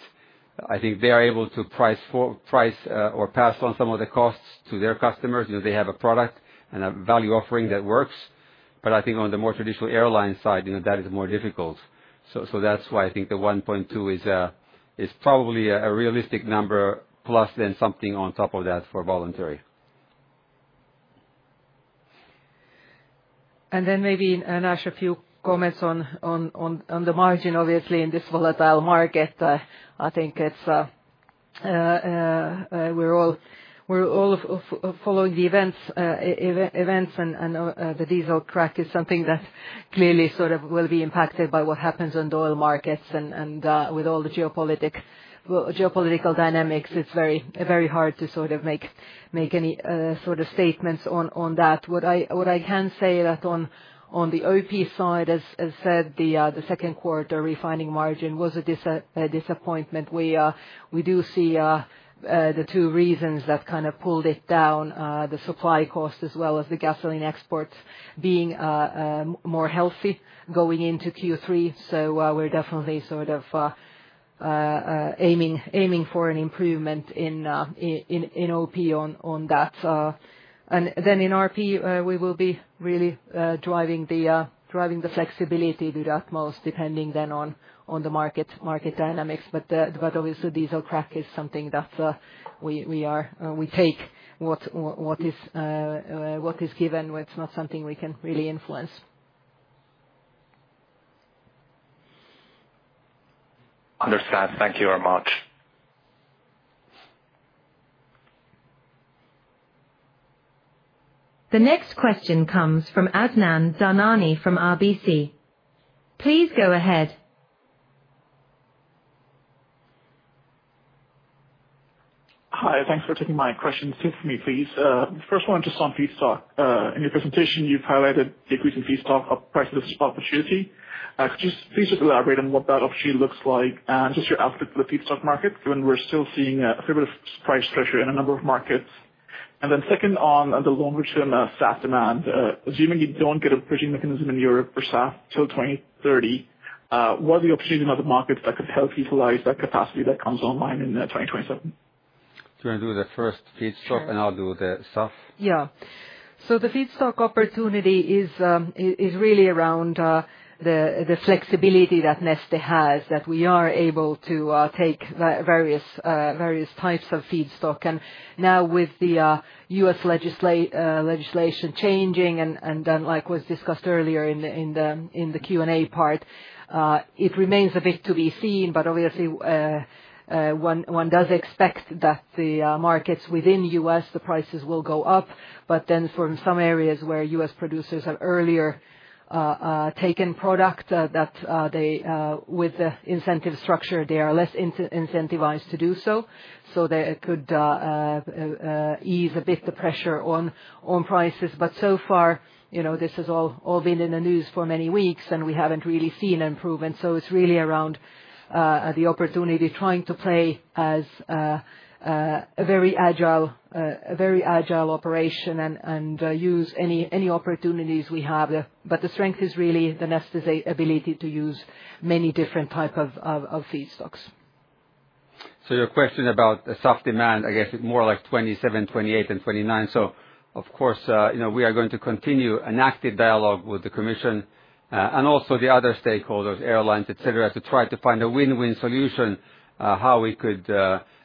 I think they are able to price or pass on some of the costs to their customers. They have a product and a value offering that works. I think on the more traditional airline side, that is more difficult. That is why I think the 1.2 is probably a realistic number plus then something on top of that for voluntary. Maybe, Nash, a few comments on the margin, obviously, in this volatile market. I think we are all following the events, and the diesel crack is something that clearly will be impacted by what happens on the oil markets. With all the geopolitical dynamics, it is very hard to make any sort of statements on that. What I can say is that on the OP side, as I said, the second quarter refining margin was a disappointment. We do see the two reasons that pulled it down, the supply cost as well as the gasoline exports being more healthy going into Q3. We are definitely aiming for an improvement in OP on that. In RP, we will be really driving the flexibility to that most, depending on the market dynamics. Obviously, diesel crack is something that we take as it is given. It is not something we can really influence. Understand. Thank you very much. The next question comes from Adnan Dhanani from RBC. Please go ahead. Hi, thanks for taking my questions. Sit for me, please. First one, just on feedstock. In your presentation, you've highlighted the increase in feedstock prices as a spot opportunity. Could you please just elaborate on what that opportunity looks like and just your outlook for the feedstock market, given we're still seeing a fair bit of price pressure in a number of markets? Second, on the longer-term SAF demand, assuming you don't get a purchasing mechanism in Europe for SAF till 2030, what are the opportunities in other markets that could help utilize that capacity that comes online in 2027? Do you want to do the first feedstock, and I'll do the SAF? Yeah. The feedstock opportunity is really around the flexibility that Neste has, that we are able to take various types of feedstock. Now, with the U.S. legislation changing, and then, like was discussed earlier in the Q&A part, it remains a bit to be seen, but obviously one does expect that the markets within the U.S., the prices will go up. From some areas where U.S. producers have earlier taken product, with the incentive structure, they are less incentivized to do so. That could ease a bit the pressure on prices. So far, this has all been in the news for many weeks, and we have not really seen improvement. It is really around the opportunity trying to play as a very agile operation and use any opportunities we have. The strength is really Neste's ability to use many different types of feedstocks. Your question about the SAF demand, I guess it's more like 2027, 2028, and 2029. Of course, we are going to continue an active dialogue with the commission and also the other stakeholders, airlines, etc., to try to find a win-win solution, how we could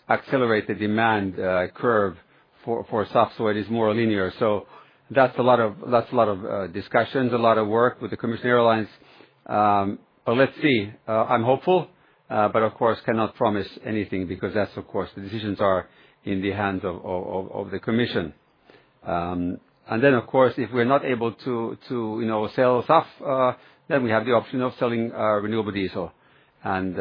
accelerate the demand curve for SAF so it is more linear. That's a lot of discussions, a lot of work with the commission, airlines. Let's see. I'm hopeful, but of course, cannot promise anything because the decisions are in the hands of the commission. If we're not able to sell SAF, then we have the option of selling renewable diesel. As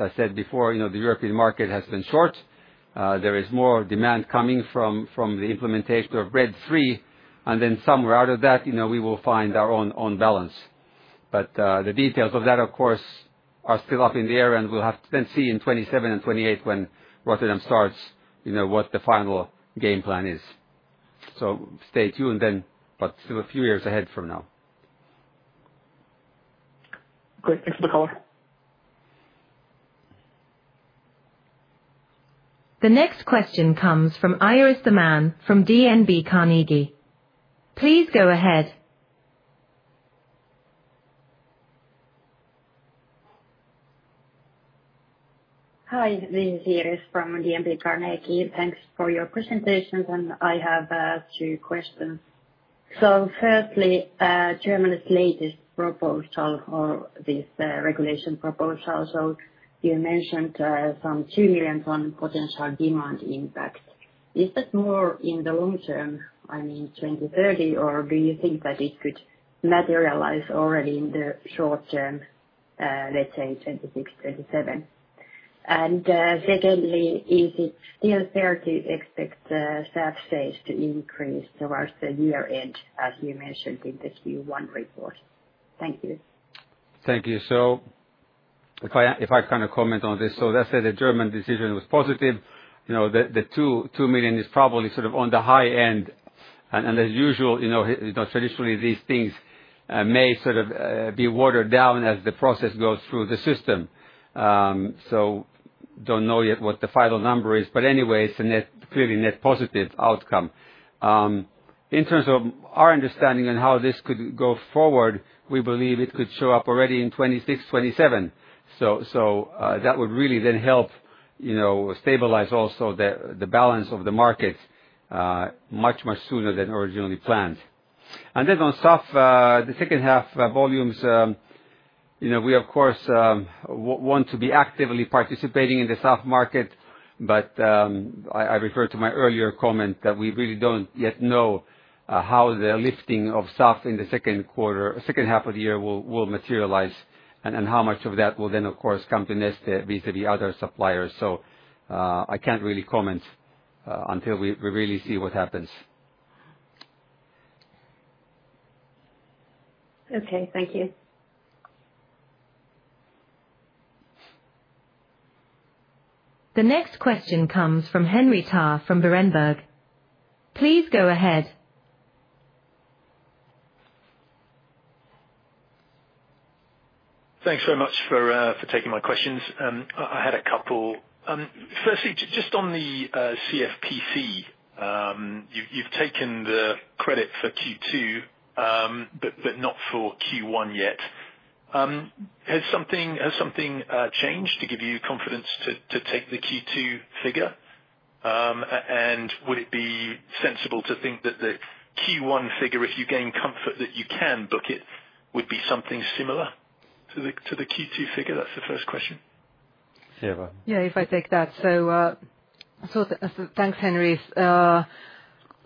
I said before, the European market has been short. There is more demand coming from the implementation of RED III. Somewhere out of that, we will find our own balance. The details of that are still up in the air, and we'll have to see in 2027 and 2028 when Rotterdam starts what the final game plan is. Stay tuned, but still a few years ahead from now. Great. Thanks for the call. The next question comes from Iris Theman from DNB Carnegie. Please go ahead. Hi, this is Iris from DNB Carnegie. Thanks for your presentations, and I have two questions. Firstly, Germany's latest proposal for this regulation proposal. You mentioned some 2 million ton potential demand impact. Is that more in the long term, I mean, 2030, or do you think that it could materialize already in the short term, let's say 2026, 2027? Secondly, is it still fair to expect SAF sales to increase towards the year end, as you mentioned in the Q1 report? Thank you. Thank you. If I kind of comment on this, let's say the German decision was positive. The 2 million is probably sort of on the high end. As usual, traditionally, these things may sort of be watered down as the process goes through the system. I do not know yet what the final number is. Anyway, it is a clearly net positive outcome. In terms of our understanding and how this could go forward, we believe it could show up already in 2026, 2027. That would really then help stabilize also the balance of the market much, much sooner than originally planned. On SAF, the second half volumes, we, of course, want to be actively participating in the SAF market, but I refer to my earlier comment that we really do not yet know how the lifting of SAF in the second half of the year will materialize and how much of that will then, of course, come to Neste vis-à-vis other suppliers. I cannot really comment until we really see what happens. Okay. Thank you. The next question comes from Henry Tarr from Berenberg. Please go ahead. Thanks very much for taking my questions. I had a couple. Firstly, just on the CFPC. You've taken the credit for Q2. You've not for Q1 yet. Has something changed to give you confidence to take the Q2 figure? Would it be sensible to think that the Q1 figure, if you gain comfort that you can book it, would be something similar to the Q2 figure? That's the first question. Yeah, if I take that. Thanks, Henry.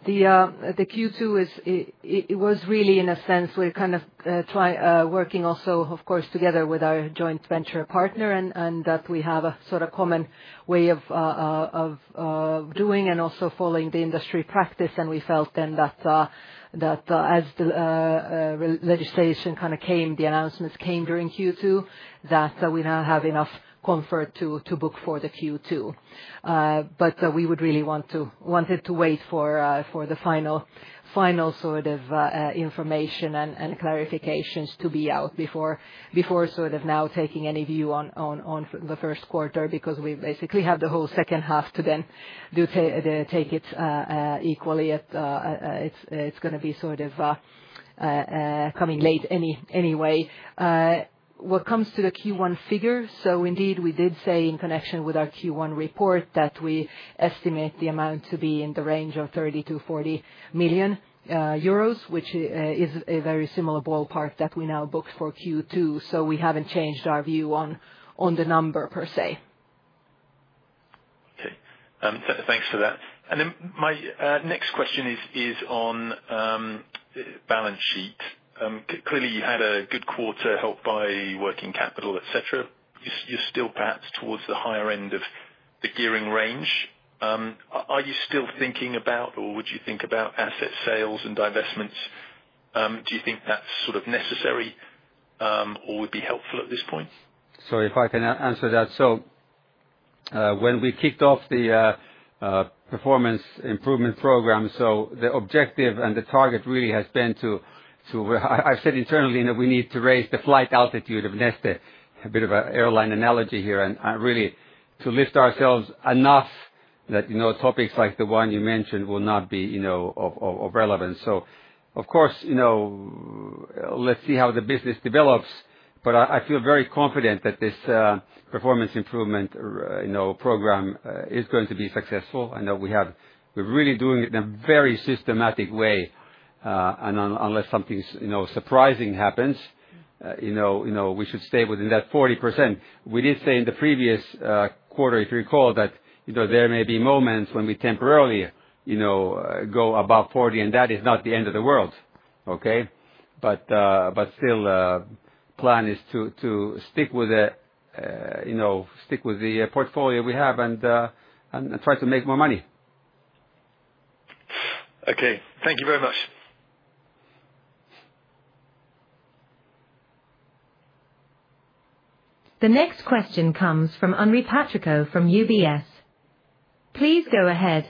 The Q2 was really, in a sense, we're kind of working also, of course, together with our joint venture partner and that we have a sort of common way of doing and also following the industry practice. We felt then that as the legislation kind of came, the announcements came during Q2, that we now have enough comfort to book for the Q2. We would really want to wait for the final sort of information and clarifications to be out before sort of now taking any view on the first quarter because we basically have the whole second half to then take it equally. It's going to be sort of coming late anyway. What comes to the Q1 figure, so indeed, we did say in connection with our Q1 report that we estimate the amount to be in the range of 30 million–40 million euros, which is a very similar ballpark that we now booked for Q2. We haven't changed our view on the number per se. Okay. Thanks for that. My next question is on balance sheet. Clearly, you had a good quarter helped by working capital, etc. You're still perhaps towards the higher end of the gearing range. Are you still thinking about, or would you think about asset sales and divestments? Do you think that's sort of necessary or would be helpful at this point? If I can answer that. When we kicked off the performance improvement program, the objective and the target really has been to, I've said internally that we need to raise the flight altitude of Neste, a bit of an airline analogy here, and really to lift ourselves enough that topics like the one you mentioned will not be of relevance. Of course, let's see how the business develops. I feel very confident that this performance improvement program is going to be successful. I know we're really doing it in a very systematic way. Unless something surprising happens, we should stay within that 40%. We did say in the previous quarter, if you recall, that there may be moments when we temporarily go above 40%, and that is not the end of the world. Okay? Still, the plan is to stick with the portfolio we have and try to make more money. Okay. Thank you very much. The next question comes from Henri Patricot from UBS. Please go ahead.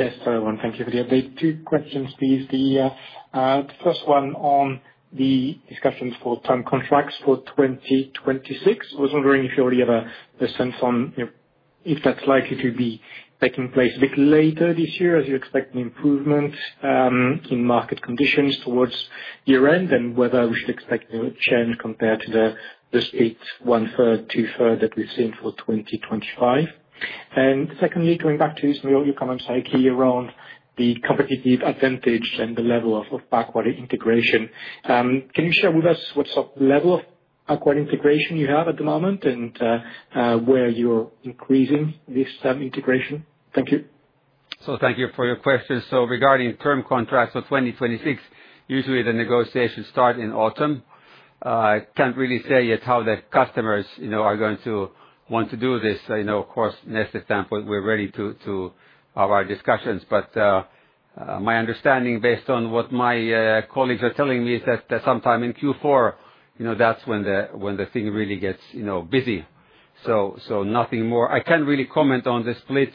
Yes, everyone, thank you for the update. Two questions, please. The first one on the discussions for term contracts for 2026. I was wondering if you already have a sense on if that's likely to be taking place a bit later this year, as you expect the improvement in market conditions towards year-end, and whether we should expect a change compared to the split one-third, two-third that we've seen for 2025. Secondly, going back to some of your comments, I key around the competitive advantage and the level of backward integration. Can you share with us what sort of level of backward integration you have at the moment and where you're increasing this integration? Thank you. Thank you for your question. Regarding term contracts for 2026, usually the negotiations start in autumn. I cannot really say yet how the customers are going to want to do this. Of course, from Neste's standpoint, we are ready to have our discussions. My understanding, based on what my colleagues are telling me, is that sometime in Q4, that is when things really get busy. I cannot really comment on the split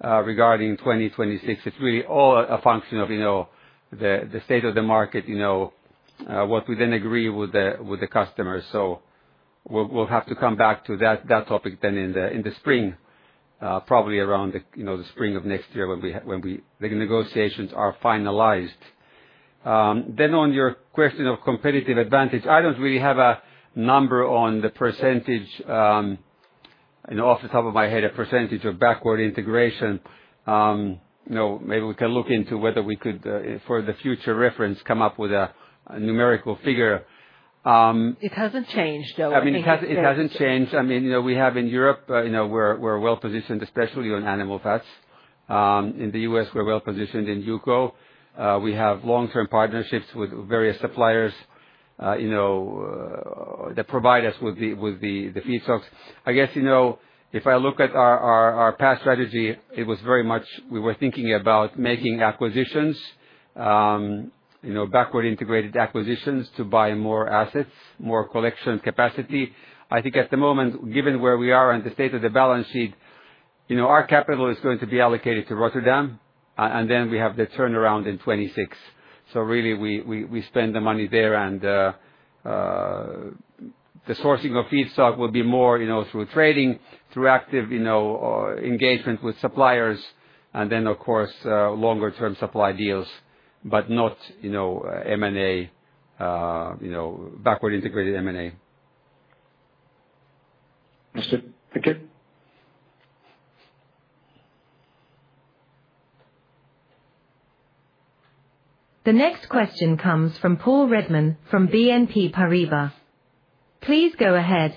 regarding 2026. It is really all a function of the state of the market and what we then agree with the customers. We will have to come back to that topic in the spring, probably around the spring of next year when the negotiations are finalized. On your question of competitive advantage, I do not really have a number on the percentage off the top of my head, a percentage of backward integration. Maybe we can look into whether we could, for future reference, come up with a numerical figure. It hasn't changed, though. I mean, it hasn't changed. I mean, we have in Europe, we're well positioned, especially on animal fats. In the U.S., we're well positioned in UCO. We have long-term partnerships with various suppliers that provide us with the feedstocks. I guess if I look at our past strategy, it was very much we were thinking about making acquisitions, backward-integrated acquisitions to buy more assets, more collection capacity. I think at the moment, given where we are and the state of the balance sheet, our capital is going to be allocated to Rotterdam, and then we have the turnaround in 2026. Really, we spend the money there. The sourcing of feedstock will be more through trading, through active engagement with suppliers, and then, of course, longer-term supply deals, but not M&A, backward integrated M&A. Understood. Thank you. The next question comes from Paul Redman from BNP Paribas. Please go ahead.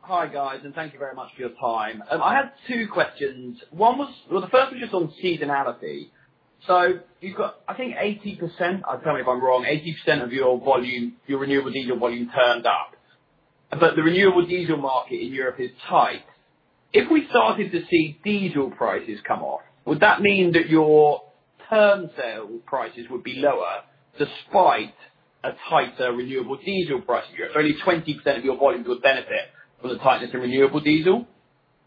Hi, guys, and thank you very much for your time. I had two questions. One was, the first was just on seasonality. So you've got, I think, 80%, tell me if I'm wrong, 80% of your renewable diesel volume turned up. But the renewable diesel market in Europe is tight. If we started to see diesel prices come off, would that mean that your term sale prices would be lower despite a tighter renewable diesel price? It's only 20% of your volume that would benefit from the tightness in renewable diesel.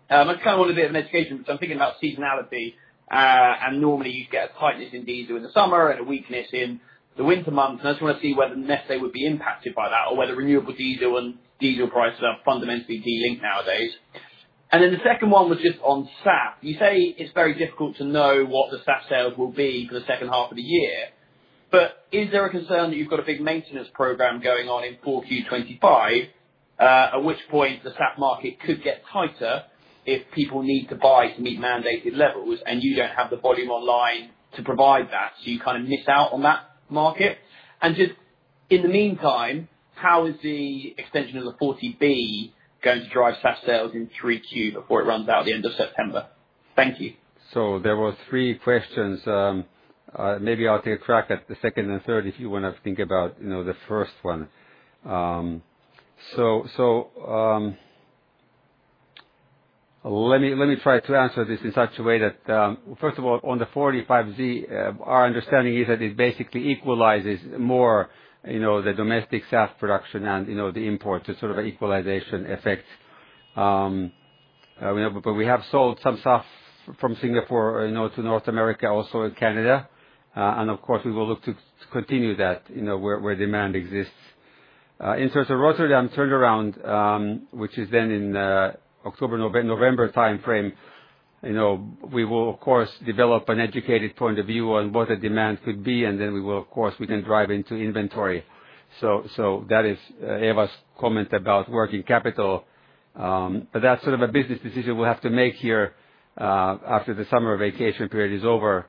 I kind of want a bit of an education, but I'm thinking about seasonality. Normally, you'd get a tightness in diesel in the summer and a weakness in the winter months. I just want to see whether Neste would be impacted by that or whether renewable diesel and diesel prices are fundamentally dealing nowadays. The second one was just on SAF. You say it's very difficult to know what the SAF sales will be for the second half of the year. Is there a concern that you've got a big maintenance program going on in 4Q 2025, at which point the SAF market could get tighter if people need to buy to meet mandated levels and you don't have the volume online to provide that? You kind of miss out on that market. In the meantime, how is the extension of the 40B going to drive SAF sales in 3Q before it runs out at the end of September? Thank you. There were three questions. Maybe I'll take a crack at the second and third if you want to think about the first one. Let me try to answer this in such a way that, first of all, on the 45Z, our understanding is that it basically equalizes more the domestic SAF production and the import to sort of an equalization effect. We have sold some SAF from Singapore to North America, also in Canada. Of course, we will look to continue that where demand exists. In terms of Rotterdam turnaround, which is then in October-November timeframe, we will, of course, develop an educated point of view on what the demand could be, and then we will, of course, we can drive into inventory. That is Eva's comment about working capital. That is sort of a business decision we'll have to make here after the summer vacation period is over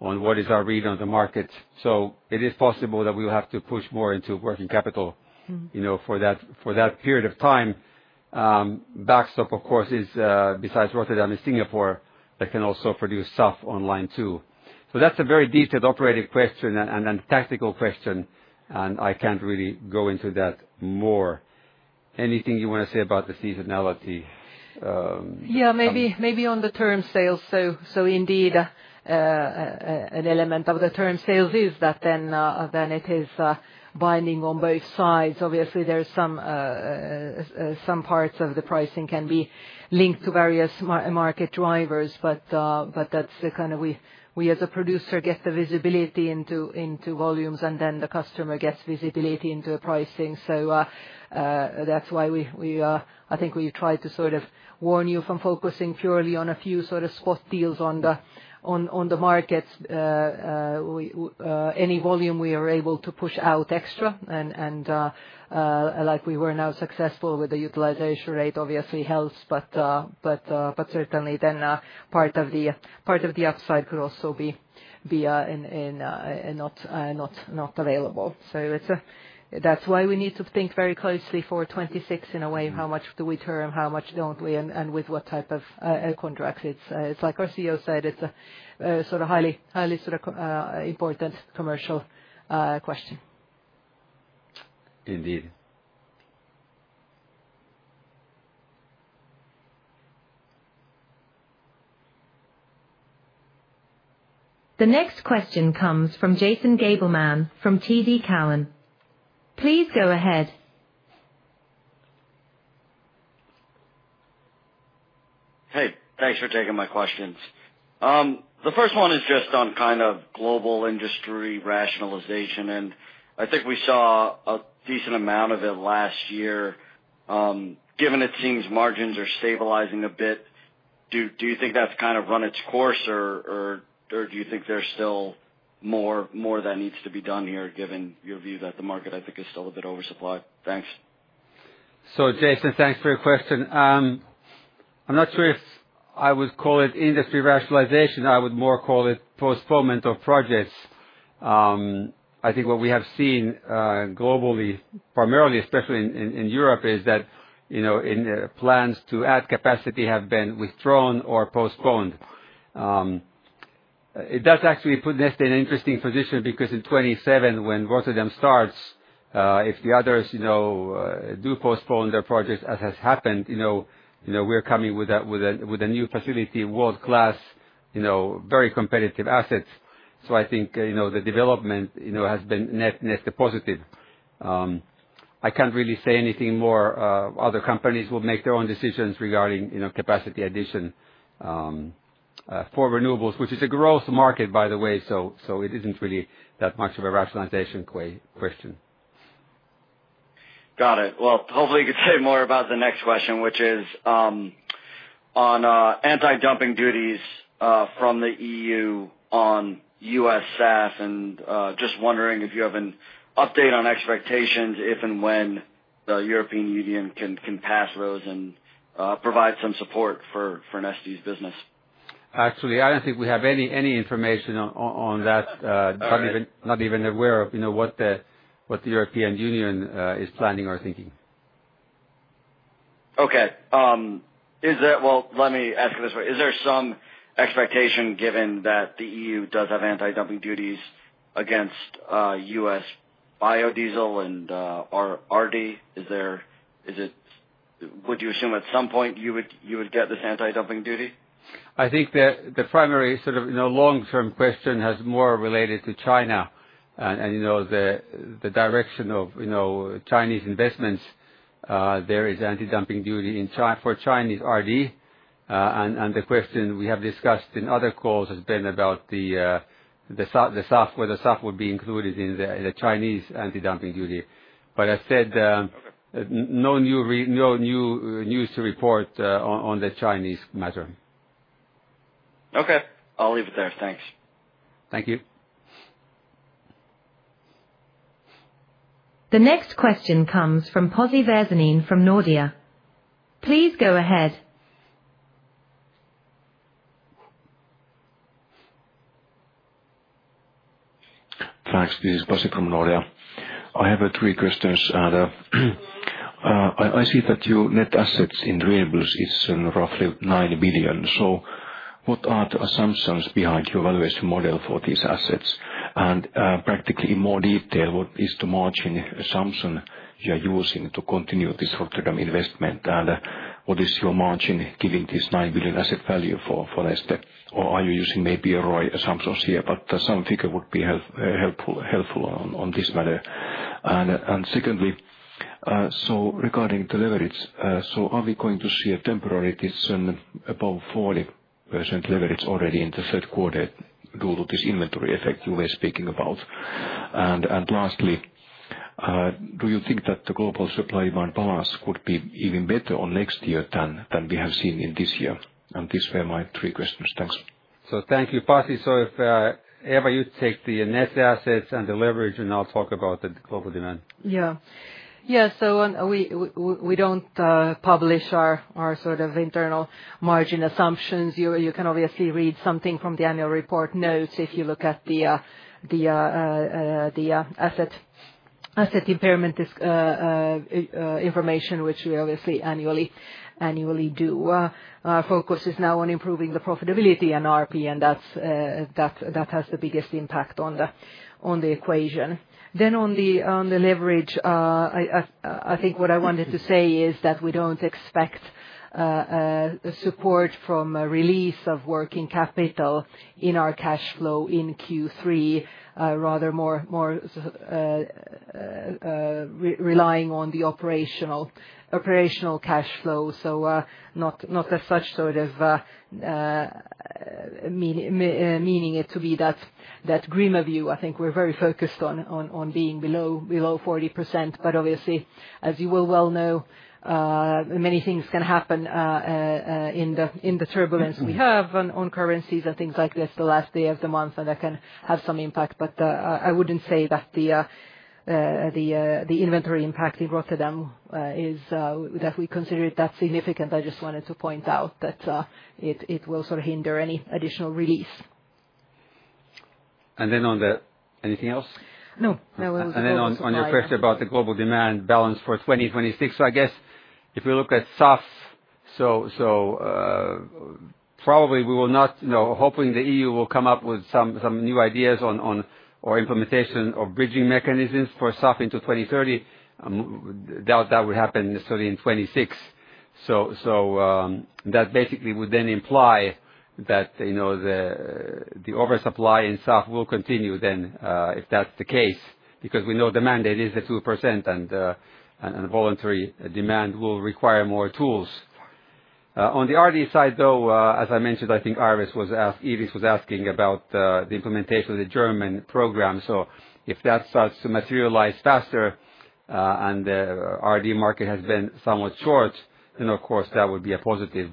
on what is our read on the market. It is possible that we will have to push more into working capital for that period of time. Backstop, of course, is besides Rotterdam and Singapore, that can also produce SAF online too. That is a very detailed operating question and a tactical question, and I can't really go into that more. Anything you want to say about the seasonality? Yeah, maybe on the term sales. So indeed. An element of the term sales is that then it is binding on both sides. Obviously, there are some parts of the pricing can be linked to various market drivers, but that's the kind of way we, as a producer, get the visibility into volumes, and then the customer gets visibility into the pricing. So that's why I think we try to sort of warn you from focusing purely on a few sort of spot deals on the markets. Any volume we are able to push out extra, and like we were now successful with the utilization rate, obviously helps, but certainly then part of the upside could also be not available. So that's why we need to think very closely for 2026 in a way, how much do we term, how much don't we, and with what type of contracts. It's like our CEO said, it's a sort of highly important commercial question. Indeed. The next question comes from Jason Gabelman from TD Cowen. Please go ahead. Hey, thanks for taking my questions. The first one is just on kind of global industry rationalization, and I think we saw a decent amount of it last year. Given it seems margins are stabilizing a bit, do you think that's kind of run its course, or do you think there's still more that needs to be done here, given your view that the market, I think, is still a bit oversupplied? Thanks. Jason, thanks for your question. I'm not sure if I would call it industry rationalization. I would more call it postponement of projects. I think what we have seen globally, primarily, especially in Europe, is that plans to add capacity have been withdrawn or postponed. It does actually put Neste in an interesting position because in 2027, when Rotterdam starts, if the others do postpone their projects, as has happened, we're coming with a new facility, world-class. Very competitive assets. I think the development has been net positive. I can't really say anything more. Other companies will make their own decisions regarding capacity addition. For renewables, which is a growth market, by the way. It isn't really that much of a rationalization question. Got it. Hopefully, you could say more about the next question, which is on anti-dumping duties from the EU on U.S. SAF. Just wondering if you have an update on expectations, if and when the European Union can pass those and provide some support for Neste's business. Actually, I do not think we have any information on that. Not even aware of what the European Union is planning or thinking. Okay. Let me ask you this way. Is there some expectation, given that the EU does have anti-dumping duties against U.S. biodiesel and RD? Would you assume at some point you would get this anti-dumping duty? I think that the primary sort of long-term question has more related to China. The direction of Chinese investments, there is anti-dumping duty for Chinese RD. The question we have discussed in other calls has been about the SAF, whether SAF would be included in the Chinese anti-dumping duty. As said, no new news to report on the Chinese matter. Okay. I'll leave it there. Thanks. Thank you. The next question comes from Pasi Väisänen from Nordea. Please go ahead. Thanks. This is Pozzi from Nordea. I have three questions. I see that your net assets in renewables is roughly 9 billion. What are the assumptions behind your valuation model for these assets? Practically, in more detail, what is the margin assumption you're using to continue this Rotterdam investment? What is your margin given this 9 billion asset value for Neste? Are you using maybe a ROI assumption here? Some figure would be helpful on this matter. Secondly, regarding the leverage, are we going to see a temporary above 40% leverage already in the third quarter due to this inventory effect you were speaking about? Lastly, do you think that the global supply demand balance could be even better next year than we have seen this year? These were my three questions. Thanks. Thank you, Pozzi. If Eva, you take the Neste assets and the leverage, and I'll talk about the global demand. Yeah. Yeah. We don't publish our sort of internal margin assumptions. You can obviously read something from the annual report notes if you look at the asset impairment information, which we obviously annually do. Our focus is now on improving the profitability in RP, and that has the biggest impact on the equation. On the leverage, I think what I wanted to say is that we don't expect support from release of working capital in our cash flow in Q3, rather more relying on the operational cash flow. Not as such meaning it to be that grim of a view. I think we're very focused on being below 40%, but obviously, as you will well know, many things can happen in the turbulence we have on currencies and things like this the last day of the month, and that can have some impact. I wouldn't say that the inventory impact in Rotterdam is that we consider it that significant. I just wanted to point out that it will sort of hinder any additional release. On the anything else? No. That was all. Then on your question about the global demand balance for 2026, I guess if we look at SAF, probably we will not, hopefully the EU will come up with some new ideas on or implementation of bridging mechanisms for SAF into 2030. That would not happen necessarily in 2026. That basically would then imply that the oversupply in SAF will continue then if that's the case, because we know the mandate is the 2%, and voluntary demand will require more tools. On the RD side, though, as I mentioned, I think Iris was asking about the implementation of the German program. If that starts to materialize faster and the RD market has been somewhat short, then of course that would be a positive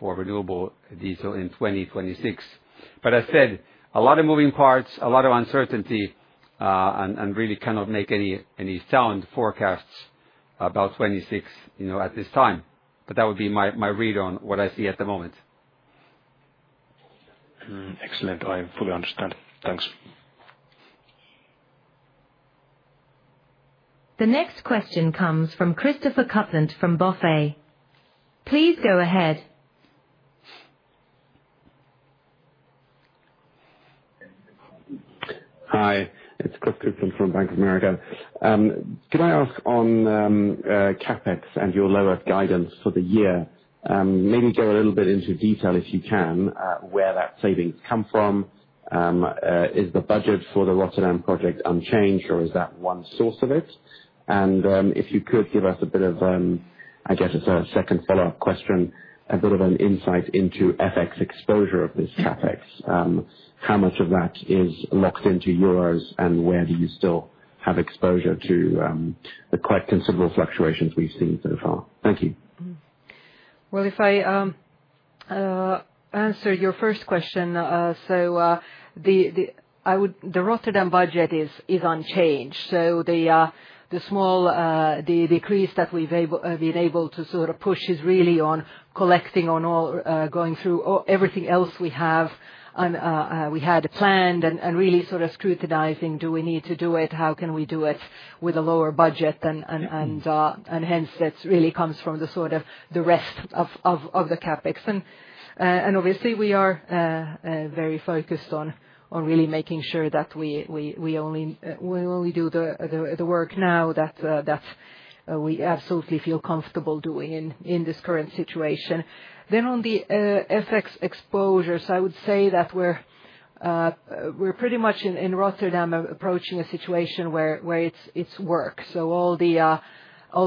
for renewable diesel in 2026. As said, a lot of moving parts, a lot of uncertainty. Really cannot make any sound forecasts about 2026 at this time. That would be my read on what I see at the moment. Excellent. I fully understand. Thanks. The next question comes from Christopher Kuplent from BofA. Please go ahead. Hi. It's Chris Kuplent from Bank of America. Can I ask on CapEx and your lowest guidance for the year? Maybe go a little bit into detail, if you can, where that savings come from. Is the budget for the Rotterdam project unchanged, or is that one source of it? If you could give us a bit of, I guess it's a second follow-up question, a bit of an insight into FX exposure of this CapEx. How much of that is locked into euros, and where do you still have exposure to the quite considerable fluctuations we've seen so far? Thank you. If I answer your first question, the Rotterdam budget is unchanged. The small decrease that we've been able to sort of push is really on collecting on all, going through everything else we had planned and really sort of scrutinizing, do we need to do it? How can we do it with a lower budget? That really comes from the rest of the CapEx. Obviously, we are very focused on really making sure that we only do the work now that we absolutely feel comfortable doing in this current situation. On the FX exposure, I would say that we're pretty much in Rotterdam approaching a situation where it's work. All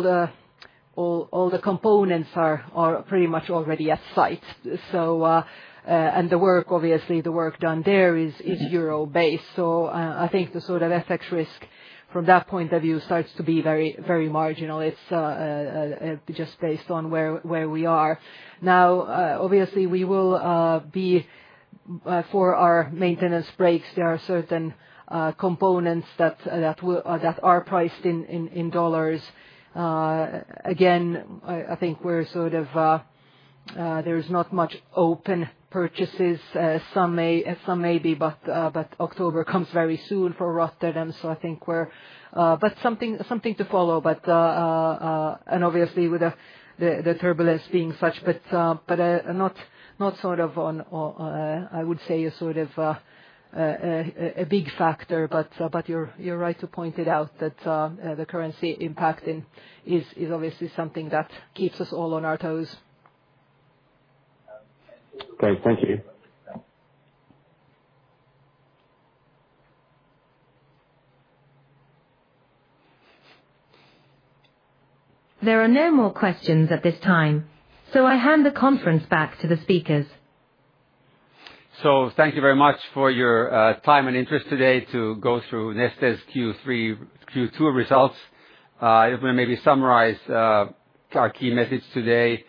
the components are pretty much already at site. Obviously, the work done there is euro-based. I think the FX risk from that point of view starts to be very marginal. It's just based on where we are now. Obviously, we will be, for our maintenance breaks, there are certain components that are priced in dollars. Again, I think we're sort of, there's not much open purchases. Some may be, but October comes very soon for Rotterdam. I think we're, but something to follow. Obviously, with the turbulence being such, but not sort of on, I would say, a big factor. You're right to point it out that the currency impact is obviously something that keeps us all on our toes. Okay. Thank you. There are no more questions at this time. I hand the conference back to the speakers. Thank you very much for your time and interest today to go through Neste's Q2 results. If we maybe summarize, our key message today,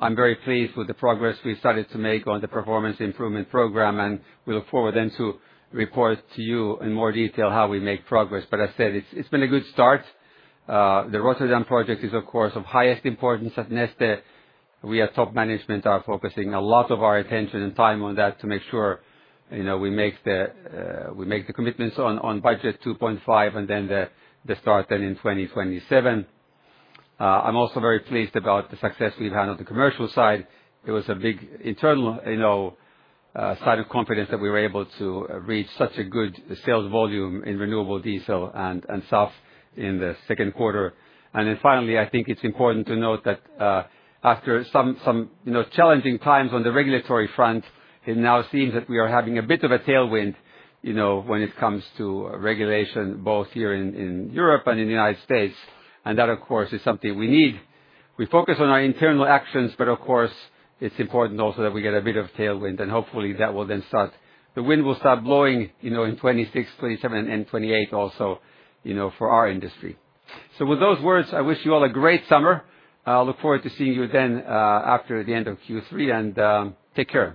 I'm very pleased with the progress we started to make on the performance improvement program, and we look forward then to report to you in more detail how we make progress. As said, it's been a good start. The Rotterdam project is, of course, of highest importance at Neste. We at top management are focusing a lot of our attention and time on that to make sure we make the commitments on budget 2.5 billion and then the start in 2027. I'm also very pleased about the success we've had on the commercial side. It was a big internal side of confidence that we were able to reach such a good sales volume in renewable diesel and SAF in the second quarter. Finally, I think it's important to note that after some challenging times on the regulatory front, it now seems that we are having a bit of a tailwind when it comes to regulation, both here in Europe and in the United States. That, of course, is something we need. We focus on our internal actions, but of course, it's important also that we get a bit of tailwind, and hopefully that will then start. The wind will start blowing in 2026, 2027, and 2028 also for our industry. With those words, I wish you all a great summer. I'll look forward to seeing you then after the end of Q3, and take care.